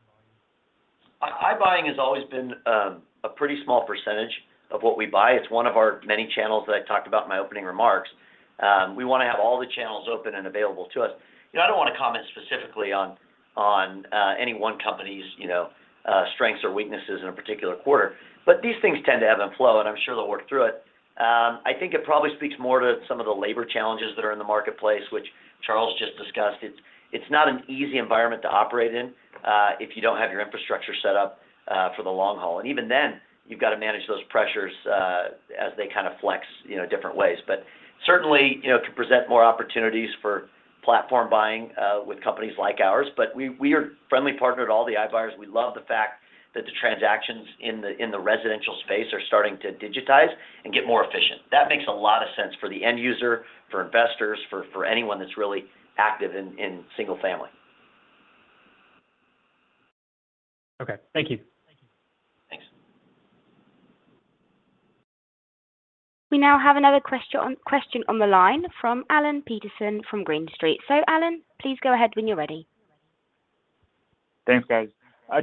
iBuying has always been a pretty small percentage of what we buy. It's one of our many channels that I talked about in my opening remarks. We wanna have all the channels open and available to us. You know, I don't wanna comment specifically on any one company's, you know, strengths or weaknesses in a particular quarter, but these things tend to ebb and flow, and I'm sure they'll work through it. I think it probably speaks more to some of the labor challenges that are in the marketplace, which Charles just discussed. It's not an easy environment to operate in if you don't have your infrastructure set up for the long haul. Even then, you've got to manage those pressures as they kind of flex, you know, different ways. Certainly, you know, it could present more opportunities for platform buying with companies like ours. We are a friendly partner to all the iBuyers. We love the fact that the transactions in the residential space are starting to digitize and get more efficient. That makes a lot of sense for the end user, for investors, for anyone that's really active in single family. Okay. Thank you. Thanks. We now have another question on the line from Alan Peterson from Green Street. Alan, please go ahead when you're ready. Thanks, guys.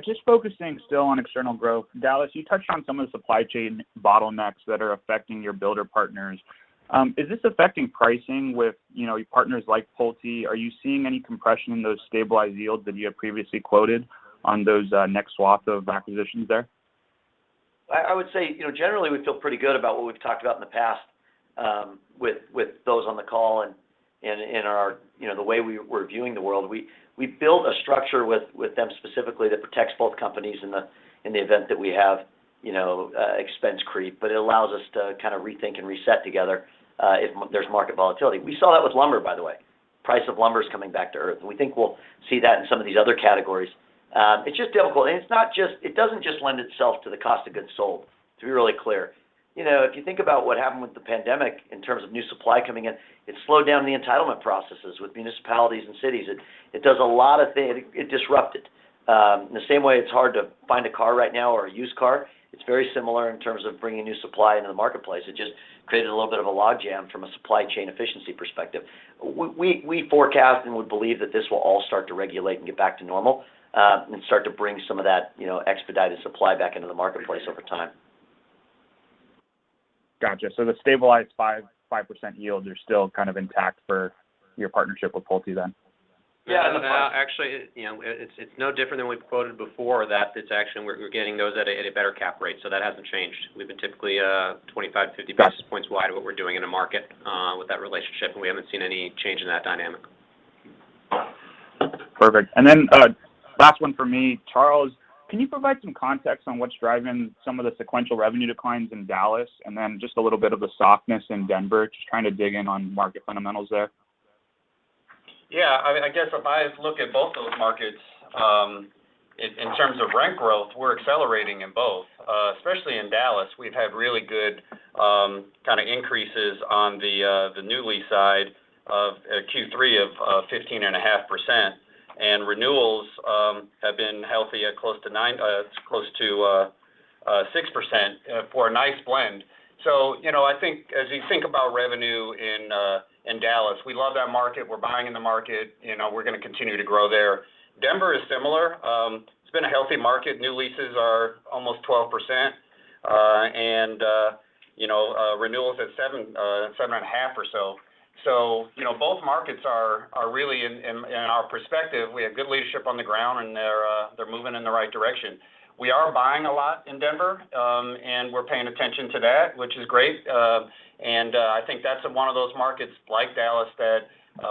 Just focusing still on external growth. Dallas, you touched on some of the supply chain bottlenecks that are affecting your builder partners. Is this affecting pricing with, you know, your partners like Pulte? Are you seeing any compression in those stabilized yields that you had previously quoted on those next swath of acquisitions there? I would say, you know, generally, we feel pretty good about what we've talked about in the past, with those on the call and in our, you know, the way we're viewing the world. We built a structure with them specifically that protects both companies in the event that we have, you know, expense creep, but it allows us to kind of rethink and reset together, if there's market volatility. We saw that with lumber, by the way. Price of lumber is coming back to earth, and we think we'll see that in some of these other categories. It's just difficult, and it's not just, it doesn't just lend itself to the cost of goods sold, to be really clear. You know, if you think about what happened with the pandemic in terms of new supply coming in, it slowed down the entitlement processes with municipalities and cities. It does a lot of things. It disrupted. In the same way it's hard to find a car right now or a used car, it's very similar in terms of bringing new supply into the marketplace. It just created a little bit of a logjam from a supply chain efficiency perspective. We forecast and would believe that this will all start to regulate and get back to normal, and start to bring some of that, you know, expedited supply back into the marketplace over time. Gotcha. The stabilized 5.5% yields are still kind of intact for your partnership with Pulte then? Yeah. Yeah. No, actually, you know, it's no different than we've quoted before that it's actually we're getting those at a better cap rate. That hasn't changed. We've been typically 25-50 basis points wide of what we're doing in the market with that relationship, and we haven't seen any change in that dynamic. Perfect. Last one for me. Charles, can you provide some context on what's driving some of the sequential revenue declines in Dallas, and then just a little bit of the softness in Denver? Just trying to dig in on market fundamentals there. Yeah. I mean, I guess if I look at both those markets, in terms of rent growth, we're accelerating in both, especially in Dallas. We've had really good kind of increases on the new lease side of Q3 of 15.5%. Renewals have been healthy at close to 6% for a nice blend. You know, I think as you think about revenue in Dallas, we love that market. We're buying in the market. You know, we're gonna continue to grow there. Denver is similar. It's been a healthy market. New leases are almost 12%. 7.5 or so. You know, both markets are really, in our perspective, we have good leadership on the ground, and they're moving in the right direction. We are buying a lot in Denver, and we're paying attention to that, which is great. I think that's one of those markets like Dallas that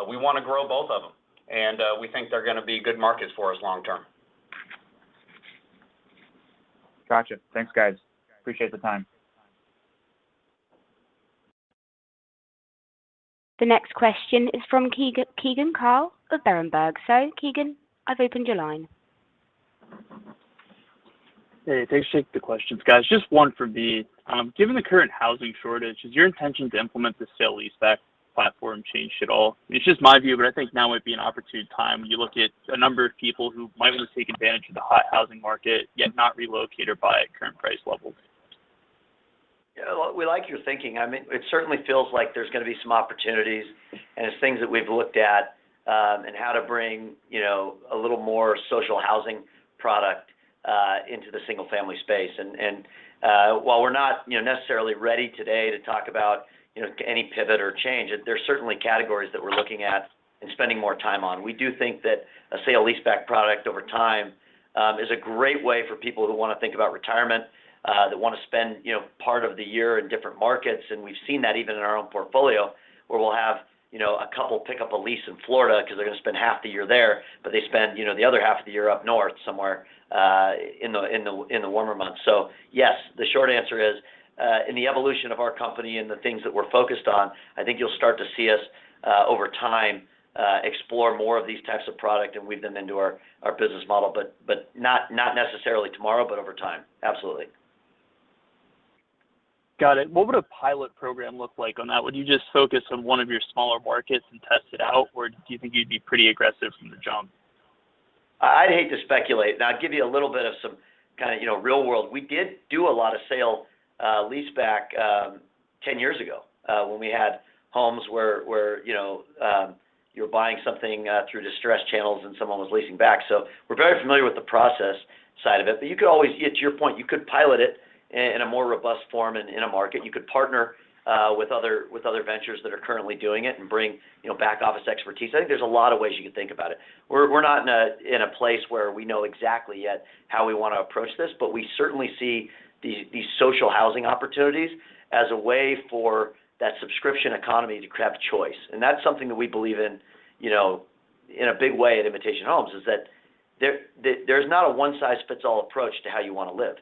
we wanna grow both of them, and we think they're gonna be good markets for us long term. Gotcha. Thanks, guys. I appreciate the time. The next question is from Keegan Carl of Berenberg. Keegan, I've opened your line. Hey, thanks. Thanks for the questions, guys. Just one for me. Given the current housing shortage, has your intention to implement the sale-leaseback platform changed at all? It's just my view, but I think now would be an opportune time when you look at a number of people who might want to take advantage of the hot housing market, yet not relocate or buy at current price levels. Yeah, well, we like your thinking. I mean, it certainly feels like there's gonna be some opportunities, and it's things that we've looked at in how to bring, you know, a little more social housing product into the single-family space. While we're not, you know, necessarily ready today to talk about, you know, any pivot or change, there's certainly categories that we're looking at and spending more time on. We do think that a sale-leaseback product over time is a great way for people who wanna think about retirement that wanna spend, you know, part of the year in different markets, and we've seen that even in our own portfolio, where we'll have, you know, a couple pick up a lease in Florida because they're gonna spend half the year there, but they spend, you know, the other half of the year up north somewhere in the warmer months. Yes, the short answer is in the evolution of our company and the things that we're focused on, I think you'll start to see us over time explore more of these types of product and weave them into our business model. But not necessarily tomorrow, but over time. Absolutely. Got it. What would a pilot program look like on that? Would you just focus on one of your smaller markets and test it out, or do you think you'd be pretty aggressive from the jump? I'd hate to speculate. I'll give you a little bit of some kind of, you know, real world. We did do a lot of sale-leaseback ten years ago, when we had homes where, you know, you're buying something through distressed channels and someone was leasing back. We're very familiar with the process side of it. You could always, to your point, you could pilot it in a more robust form in a market. You could partner with other ventures that are currently doing it and bring, you know, back office expertise. I think there's a lot of ways you could think about it. We're not in a place where we know exactly yet how we wanna approach this, but we certainly see these social housing opportunities as a way for that subscription economy to craft choice. That's something that we believe in, you know, in a big way at Invitation Homes, is that there's not a one-size-fits-all approach to how you wanna live.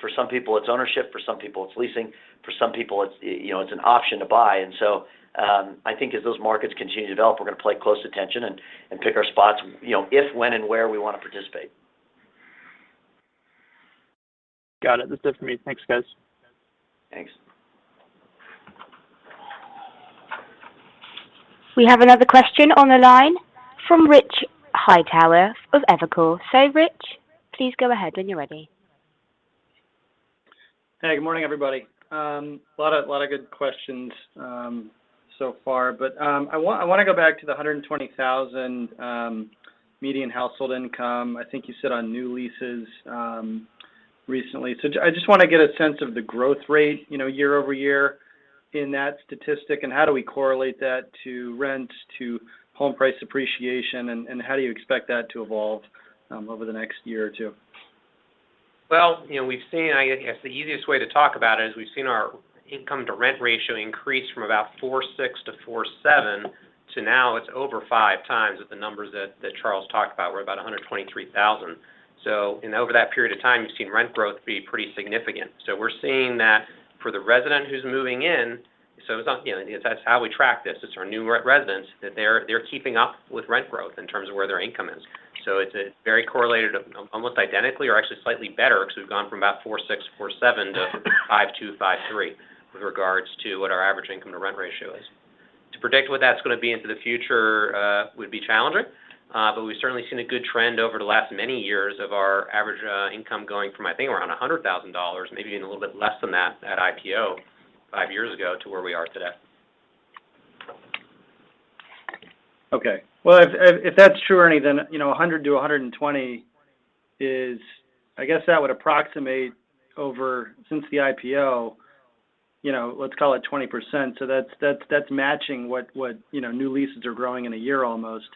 For some people, it's ownership. For some people, it's leasing. For some people, you know, it's an option to buy. I think as those markets continue to develop, we're gonna pay close attention and pick our spots, you know, if, when, and where we wanna participate. Got it. That's it for me. Thanks, guys. Thanks. We have another question on the line from Rich Hightower of Evercore. Rich, please go ahead when you're ready. Hey, good morning, everybody. Lot of good questions so far. I wanna go back to the 120,000 median household income, I think you said on new leases recently. I just wanna get a sense of the growth rate, you know, year-over-year in that statistic, and how do we correlate that to rent, to home price appreciation, and how do you expect that to evolve over the next year or two? Well, you know, we've seen, I guess, the easiest way to talk about it is we've seen our income to rent ratio increase from about 4.6 to 4.7 to now it's over 5x with the numbers that Charles talked about. We're about 123,000. And over that period of time, you've seen rent growth be pretty significant. We're seeing that for the resident who's moving in, so it's not, you know, that's how we track this. It's our new residents that they're keeping up with rent growth in terms of where their income is. It's very correlated, almost identically or actually slightly better 'cause we've gone from about 4.6, 4.7 to 5.2, 5.3 with regards to what our average income to rent ratio is. To predict what that's gonna be into the future would be challenging. We've certainly seen a good trend over the last many years of our average income going from, I think around $100,000, maybe even a little bit less than that at IPO five years ago to where we are today. Okay. Well, if that's true, Ernie, then you know, 100 to 120 is I guess that would approximate over, since the IPO, you know, let's call it 20%. So that's matching what you know, new leases are growing in a year almost.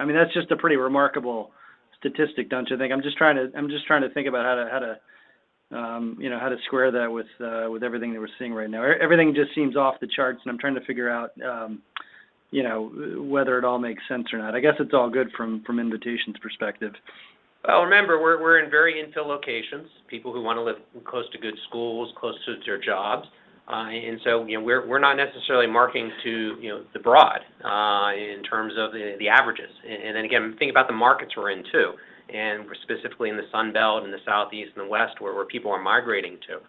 I mean, that's just a pretty remarkable statistic, don't you think? I'm just trying to think about how to you know, how to square that with with everything that we're seeing right now. Everything just seems off the charts, and I'm trying to figure out you know, whether it all makes sense or not. I guess it's all good from Invitation's perspective. Well, remember, we're in very infill locations, people who wanna live close to good schools, close to their jobs. So, you know, we're not necessarily marketing to, you know, the broad in terms of the averages. Again, think about the markets we're in too. We're specifically in the Sun Belt, in the Southeast and the West, where people are migrating to.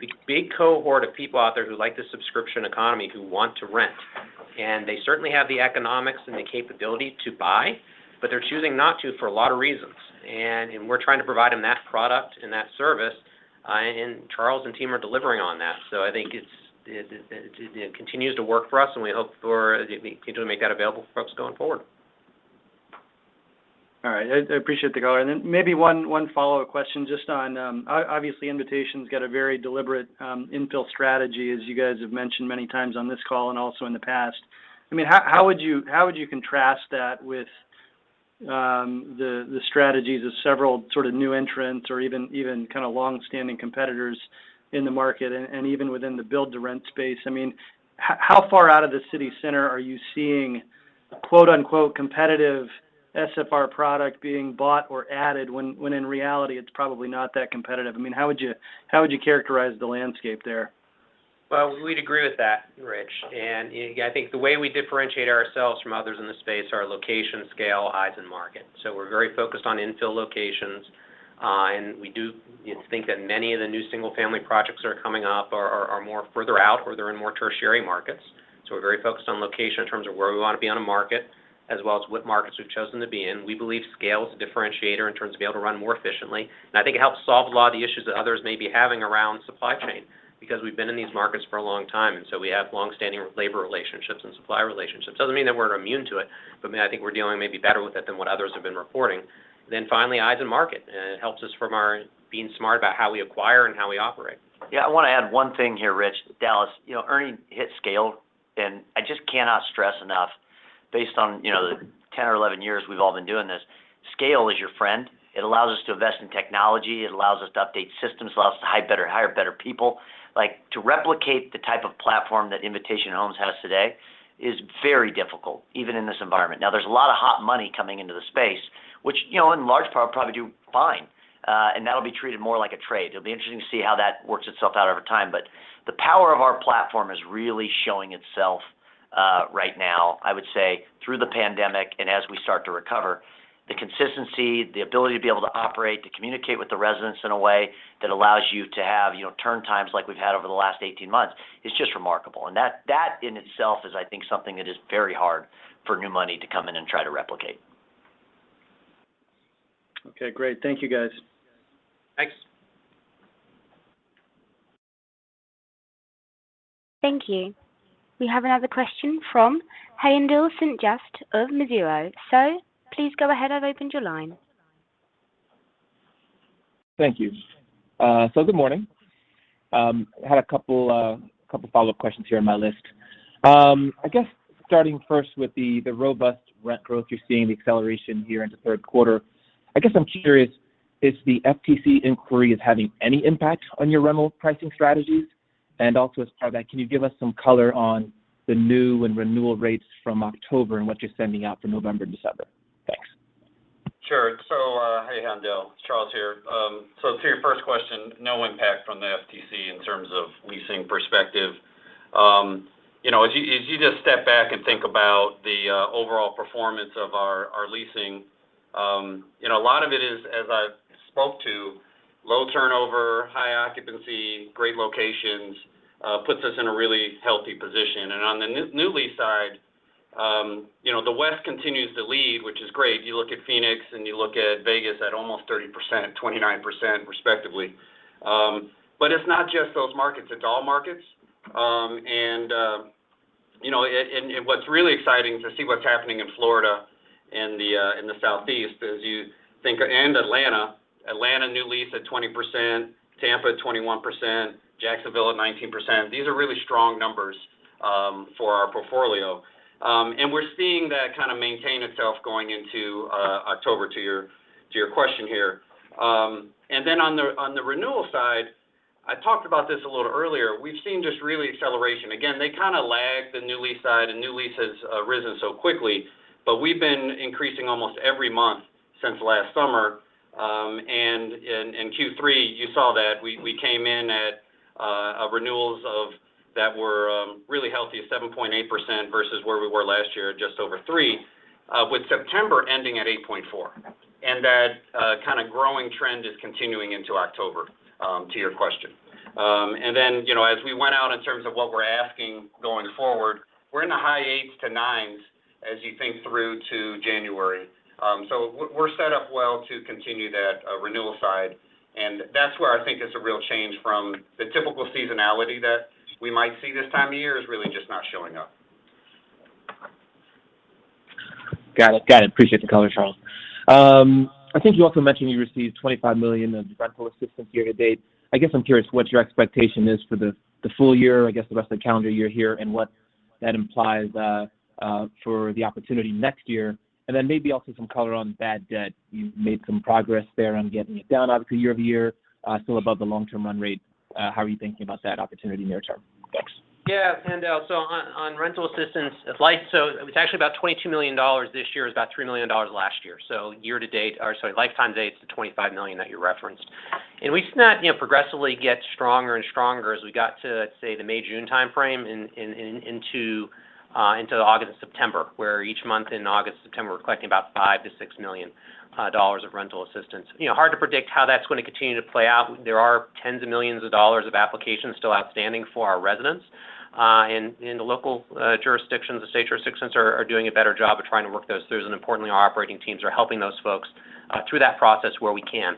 There's a big cohort of people out there who like the subscription economy who want to rent, and they certainly have the economics and the capability to buy, but they're choosing not to for a lot of reasons. We're trying to provide them that product and that service, and Charles and team are delivering on that. I think it continues to work for us, and we hope to continue to make that available for folks going forward. All right. I appreciate the color. Maybe one follow-up question just on obviously Invitation's got a very deliberate infill strategy, as you guys have mentioned many times on this call, and also in the past. I mean, how would you contrast that with the strategies of several sort of new entrants or even kind of long-standing competitors in the market and even within the build to rent space? I mean, how far out of the city center are you seeing quote-unquote "competitive" SFR product being bought or added when in reality it's probably not that competitive? I mean, how would you characterize the landscape there? Well, we'd agree with that, Rich. Yeah, I think the way we differentiate ourselves from others in the space are location, scale, size, and market. We're very focused on infill locations. And we do, you know, think that many of the new single-family projects that are coming up are more further out, or they're in more tertiary markets. We're very focused on location in terms of where we wanna be on a market, as well as what markets we've chosen to be in. We believe scale is a differentiator in terms of being able to run more efficiently, and I think it helps solve a lot of the issues that others may be having around supply chain because we've been in these markets for a long time, and so we have long-standing labor relationships and supply relationships. Doesn't mean that we're immune to it, but I mean, I think we're dealing maybe better with it than what others have been reporting. Finally, eyes on the market. It helps us, from our being smart about how we acquire and how we operate. Yeah. I wanna add one thing here, Rich. Dallas, you know, Ernie hit scale, and I just cannot stress enough based on, you know, the 10 or 11 years we've all been doing this, scale is your friend. It allows us to invest in technology, it allows us to update systems, allows us to hire better people. Like, to replicate the type of platform that Invitation Homes has today is very difficult, even in this environment. Now, there's a lot of hot money coming into the space, which, you know, in large part will probably do fine, and that'll be treated more like a trade. It'll be interesting to see how that works itself out over time. The power of our platform is really showing itself right now, I would say through the pandemic and as we start to recover. The consistency, the ability to be able to operate, to communicate with the residents in a way that allows you to have, you know, turn times like we've had over the last 18 months is just remarkable. That in itself is I think something that is very hard for new money to come in and try to replicate. Okay. Great. Thank you, guys. Thanks. Thank you. We have another question from Haendel St. Juste of Mizuho. Sir, please go ahead, I've opened your line. Thank you. Good morning. Had a couple follow-up questions here on my list. I guess starting first with the robust rent growth you're seeing, the acceleration here in the third quarter. I guess I'm curious if the FTC inquiry is having any impact on your rental pricing strategies? Also as part of that, can you give us some color on the new and renewal rates from October and what you're sending out for November and December? Thanks. Sure. Hey, Haendel. It's Charles here. To your first question, no impact from the FTC in terms of leasing perspective. You know, as you just step back and think about the overall performance of our leasing, you know, a lot of it is, as I spoke to, low turnover, high occupancy, great locations puts us in a really healthy position. On the new lease side, you know, the West continues to lead, which is great. You look at Phoenix and you look at Vegas at almost 30%, 29% respectively. It's not just those markets, it's all markets. You know, what's really exciting to see what's happening in Florida in the Southeast as you think and Atlanta. Atlanta new lease at 20%, Tampa at 21%, Jacksonville at 19%. These are really strong numbers for our portfolio. We're seeing that kind of maintain itself going into October, to your question here. Then on the renewal side, I talked about this a little earlier. We've seen just really acceleration. Again, they kind of lag the new lease side, and new lease has risen so quickly, but we've been increasing almost every month since last summer. In Q3, you saw that. We came in at renewals that were really healthy at 7.8% versus where we were last year at just over 3%, with September ending at 8.4%. That kind of growing trend is continuing into October, to your question. You know, as we went out in terms of what we're asking going forward, we're in the high 8%-9% as you think through to January. We're set up well to continue that renewal side, and that's where I think it's a real change from the typical seasonality that we might see this time of year is really just not showing up. Got it. Appreciate the color, Charles. I think you also mentioned you received $25 million of rental assistance year to date. I guess I'm curious what your expectation is for the full year, I guess the rest of the calendar year here, and what that implies for the opportunity next year. Then maybe also some color on bad debt. You've made some progress there on getting it down obviously year-over-year, still above the long-term run rate. How are you thinking about that opportunity near-term? Thanks. Yeah. Haendel. On rental assistance, it's actually about $22 million this year. It was about $3 million last year. Year to date, or sorry, lifetime to date, it's the $25 million that you referenced. We've seen that, you know, progressively get stronger and stronger as we got to, let's say the May-June timeframe into August and September, where each month in August to September we're collecting about $5 million-$6 million of rental assistance. You know, hard to predict how that's gonna continue to play out. There are tens of millions of dollars of applications still outstanding for our residents in the local jurisdictions. The state jurisdictions are doing a better job of trying to work those through, and importantly our operating teams are helping those folks. Through that process where we can.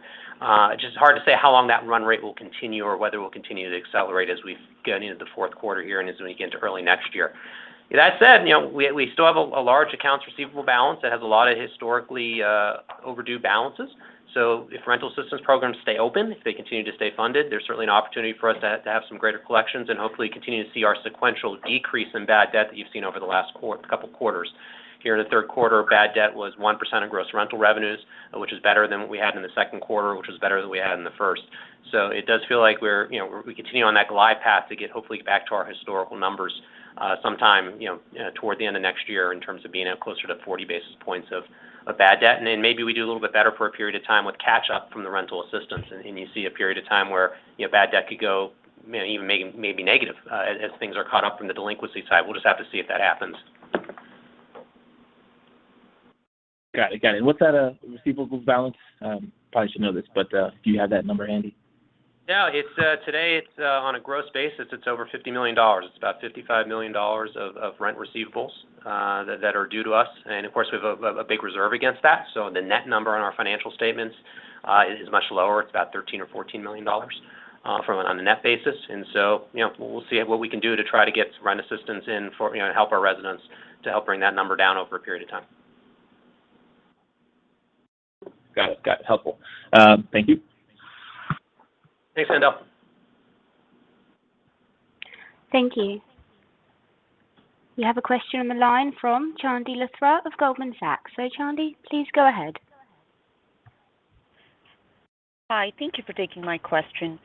Just hard to say how long that run rate will continue or whether it will continue to accelerate as we've gone into the fourth quarter here and as we get into early next year. With that said, you know, we still have a large accounts receivable balance that has a lot of historically overdue balances. So if rental assistance programs stay open, if they continue to stay funded, there's certainly an opportunity for us to have some greater collections and hopefully continue to see our sequential decrease in bad debt that you've seen over the last couple quarters. Here in the third quarter, bad debt was 1% of gross rental revenues, which is better than what we had in the second quarter, which was better than we had in the first. It does feel like we're, you know, we continue on that glide path to get hopefully back to our historical numbers, sometime, you know, toward the end of next year in terms of being at closer to 40 basis points of bad debt. Then maybe we do a little bit better for a period of time with catch-up from the rental assistance and you see a period of time where, you know, bad debt could go, maybe even be negative, as things are caught up from the delinquency side. We'll just have to see if that happens. Got it. What's that, receivables balance? Probably should know this, but, do you have that number handy? Yeah. Today it's on a gross basis over $50 million. It's about $55 million of rent receivables that are due to us. Of course we have a big reserve against that. The net number on our financial statements is much lower. It's about $13 million or $14 million on a net basis. You know, we'll see what we can do to try to get rent assistance in for, you know, help our residents to help bring that number down over a period of time. Got it. Helpful. Thank you. Thanks, Haendel St. Juste. Thank you. We have a question on the line from Chandni Luthra of Goldman Sachs. Chandni, please go ahead. Hi. Thank you for taking my question.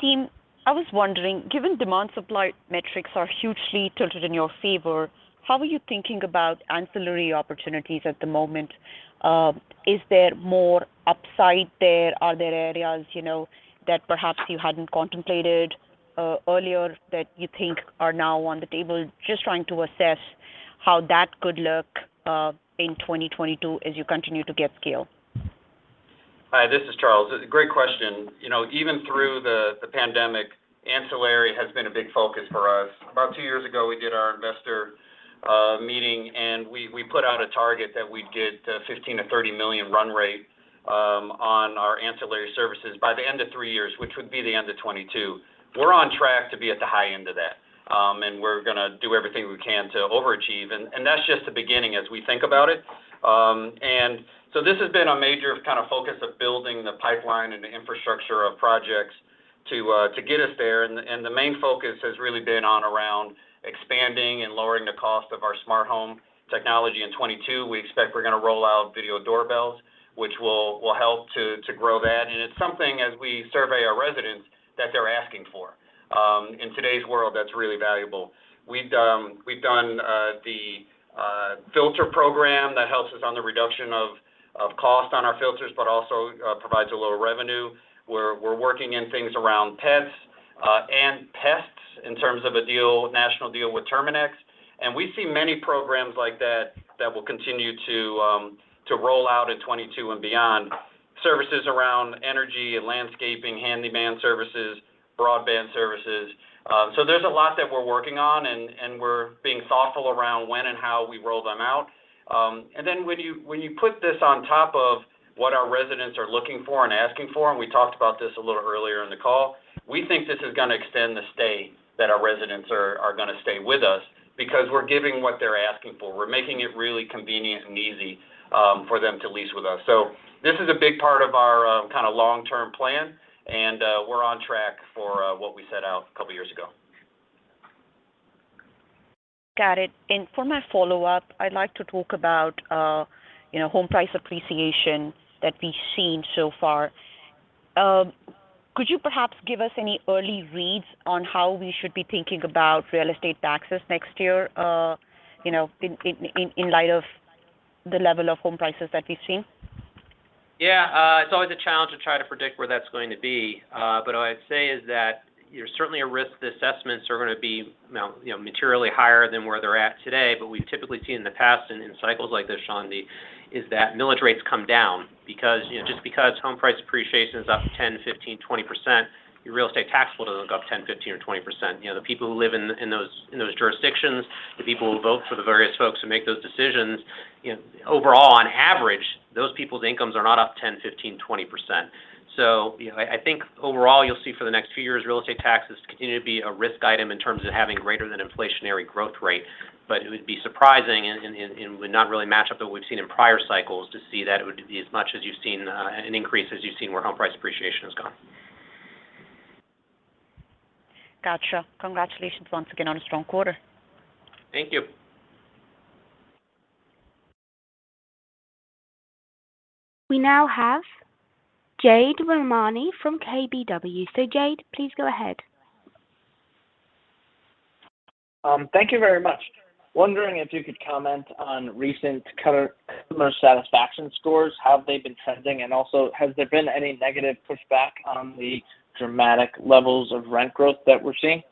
Team, I was wondering, given demand supply metrics are hugely tilted in your favor, how are you thinking about ancillary opportunities at the moment? Is there more upside there? Are there areas, you know, that perhaps you hadn't contemplated earlier that you think are now on the table? Just trying to assess how that could look in 2022 as you continue to get scale. Hi, this is Charles. Great question. You know, even through the pandemic, ancillary has been a big focus for us. About two years ago, we did our investor meeting, and we put out a target that we'd get $15 million-$30 million run rate on our ancillary services by the end of three years, which would be the end of 2022. We're on track to be at the high end of that, and we're gonna do everything we can to overachieve. That's just the beginning as we think about it. This has been a major kind of focus of building the pipeline and the infrastructure of projects to get us there. The main focus has really been centered around expanding and lowering the cost of our smart home technology in 2022. We expect we're gonna roll out video doorbells, which will help to grow that. It's something as we survey our residents that they're asking for. In today's world, that's really valuable. We've done the filter program that helps us on the reduction of cost on our filters, but also provides a little revenue. We're working in things around pets and pests in terms of a deal, national deal with Terminix. We see many programs like that that will continue to roll out in 2022 and beyond. Services around energy and landscaping, handyman services, broadband services. There's a lot that we're working on, and we're being thoughtful around when and how we roll them out. when you put this on top of what our residents are looking for and asking for, and we talked about this a little earlier in the call, we think this is gonna extend the stay that our residents are gonna stay with us because we're giving what they're asking for. We're making it really convenient and easy for them to lease with us. This is a big part of our kinda long-term plan, and we're on track for what we set out a couple years ago. Got it. For my follow-up, I'd like to talk about, you know, home price appreciation that we've seen so far. Could you perhaps give us any early reads on how we should be thinking about real estate taxes next year, you know, in light of the level of home prices that we've seen? Yeah. It's always a challenge to try to predict where that's going to be. What I'd say is that there's certainly a risk the assessments are gonna be materially higher than where they're at today. We've typically seen in the past and in cycles like this, Chandi, is that millage rates come down because, you know, just because home price appreciation is up 10%, 15%, 20%, your real estate tax bill doesn't go up 10%, 15%, or 20%. You know, the people who live in those jurisdictions, the people who vote for the various folks who make those decisions, you know, overall on average, those people's incomes are not up 10%, 15%, 20%. You know, I think overall you'll see for the next few years real estate taxes continue to be a risk item in terms of having greater than inflationary growth rate. It would be surprising and would not really match up what we've seen in prior cycles to see that it would be as much as you've seen, an increase as you've seen where home price appreciation has gone. Gotcha. Congratulations once again on a strong quarter. Thank you. We now have Jade Rahmani from KBW. Jade, please go ahead. Thank you very much. Wondering if you could comment on recent customer satisfaction scores. How have they been trending? Also, has there been any negative pushback on the dramatic levels of rent growth that we're seeing?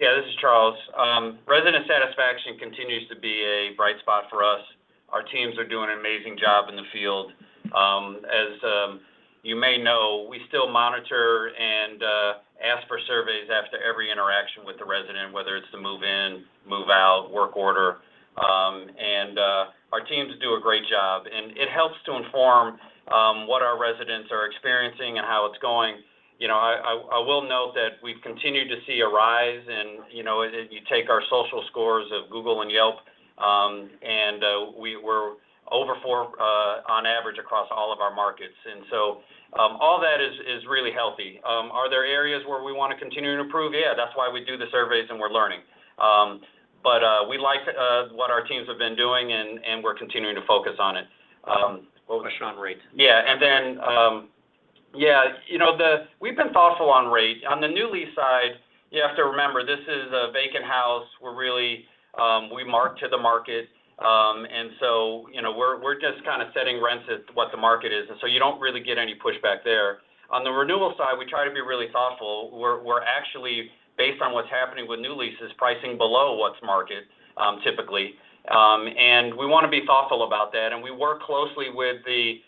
Yeah. This is Charles. Resident satisfaction continues to be a bright spot for us. Our teams are doing an amazing job in the field. As you may know, we still monitor our work orders, and our teams do a great job. It helps to inform what our residents are experiencing and how it's going. You know, I will note that we've continued to see a rise, and you know, if you take our social scores of Google and Yelp, and we were over four on average across all of our markets. All that is really healthy. Are there areas where we wanna continue to improve? Yeah, that's why we do the surveys, and we're learning. We like what our teams have been doing and we're continuing to focus on it. What about on rate? Yeah, you know, we've been thoughtful on rate. On the new lease side, you have to remember, this is a vacant house. We mark to the market. You know, we're just kinda setting rents at what the market is. You don't really get any pushback there. On the renewal side, we try to be really thoughtful. We're actually, based on what's happening with new leases, pricing below what's market, typically. We wanna be thoughtful about that, and we work closely with the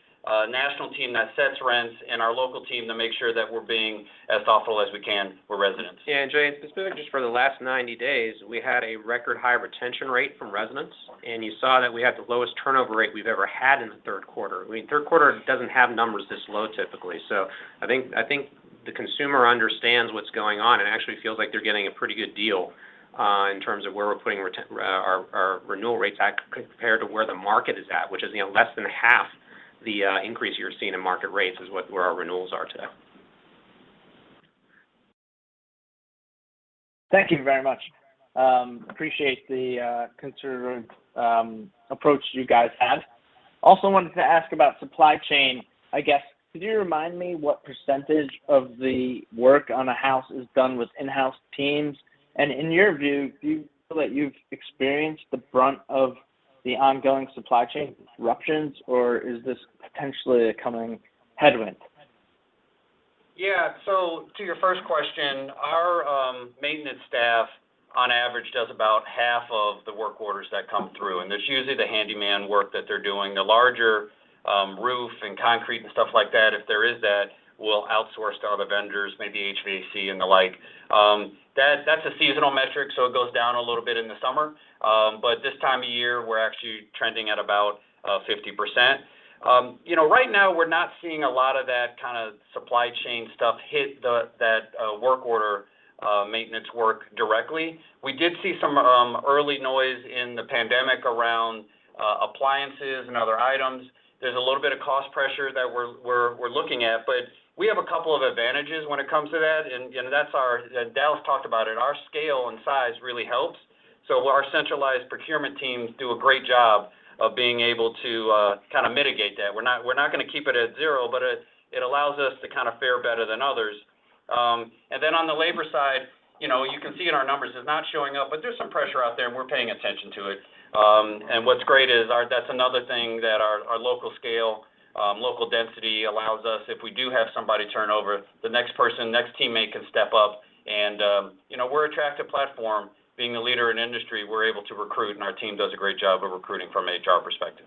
national team that sets rents and our local team to make sure that we're being as thoughtful as we can for residents. Yeah. Jade, specifically just for the last 90 days, we had a record high retention rate from residents. You saw that we had the lowest turnover rate we've ever had in the third quarter. I mean, third quarter doesn't have numbers this low typically. I think the consumer understands what's going on and actually feels like they're getting a pretty good deal in terms of where we're putting our renewal rates at compared to where the market is at, which is, you know, less than half the increase you're seeing in market rates is where our renewals are today. Thank you very much. Appreciate the conservative approach you guys have. Also wanted to ask about supply chain. I guess, could you remind me what percentage of the work on a house is done with in-house teams? And in your view, do you feel that you've experienced the brunt of the ongoing supply chain disruptions, or is this potentially a coming headwind? Yeah. To your first question, our maintenance staff, on average, does about half of the work orders that come through, and that's usually the handyman work that they're doing. The larger roof and concrete and stuff like that, if there is that, we'll outsource to other vendors, maybe HVAC and the like. That's a seasonal metric, so it goes down a little bit in the summer. But this time of year, we're actually trending at about 50%. You know, right now we're not seeing a lot of that kinda supply chain stuff hit that work order maintenance work directly. We did see some early noise in the pandemic around appliances and other items. There's a little bit of cost pressure that we're looking at. We have a couple of advantages when it comes to that, and that's our. Dallas talked about it. Our scale and size really helps. Our centralized procurement teams do a great job of being able to kinda mitigate that. We're not gonna keep it at zero, but it allows us to kind of fare better than others. On the labor side, you can see in our numbers it's not showing up, but there's some pressure out there, and we're paying attention to it. What's great is our. That's another thing that our local scale, local density allows us if we do have somebody turn over, the next person, next teammate can step up. We're attractive platform. Being a leader in the industry, we're able to recruit, and our team does a great job of recruiting from an HR perspective.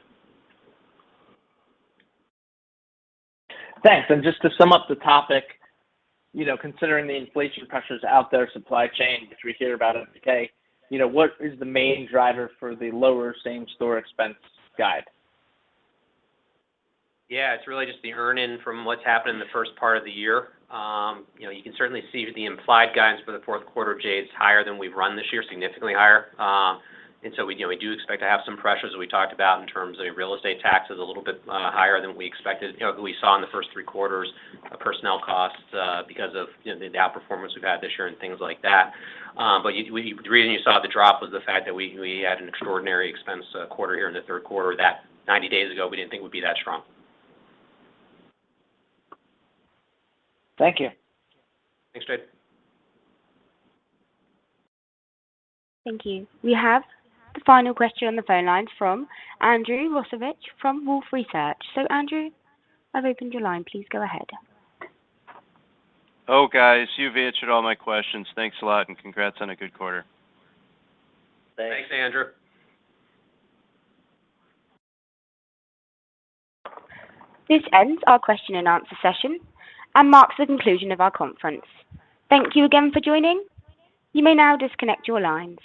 Thanks. Just to sum up the topic, you know, considering the inflation pressures out there, supply chain, which we hear about every day, you know, what is the main driver for the lower same-store expense guide? Yeah. It's really just the earnings from what's happened in the first part of the year. You know, you can certainly see the implied guidance for the fourth quarter, Jay. It's higher than we've run this year, significantly higher. We, you know, we do expect to have some pressures, as we talked about, in terms of real estate taxes a little bit, higher than we expected, you know, than we saw in the first three quarters, personnel costs, because of, you know, the outperformance we've had this year and things like that. The reason you saw the drop was the fact that we had an extraordinary expense quarter here in the third quarter that 90 days ago we didn't think would be that strong. Thank you. Thanks, Jade. Thank you. We have the final question on the phone line from Andrew Rosivach from Wolfe Research. Andrew, I've opened your line. Please go ahead. Oh, guys, you've answered all my questions. Thanks a lot, and congrats on a good quarter. Thanks. Thanks, Andrew. This ends our question and answer session and marks the conclusion of our conference. Thank you again for joining. You may now disconnect your lines.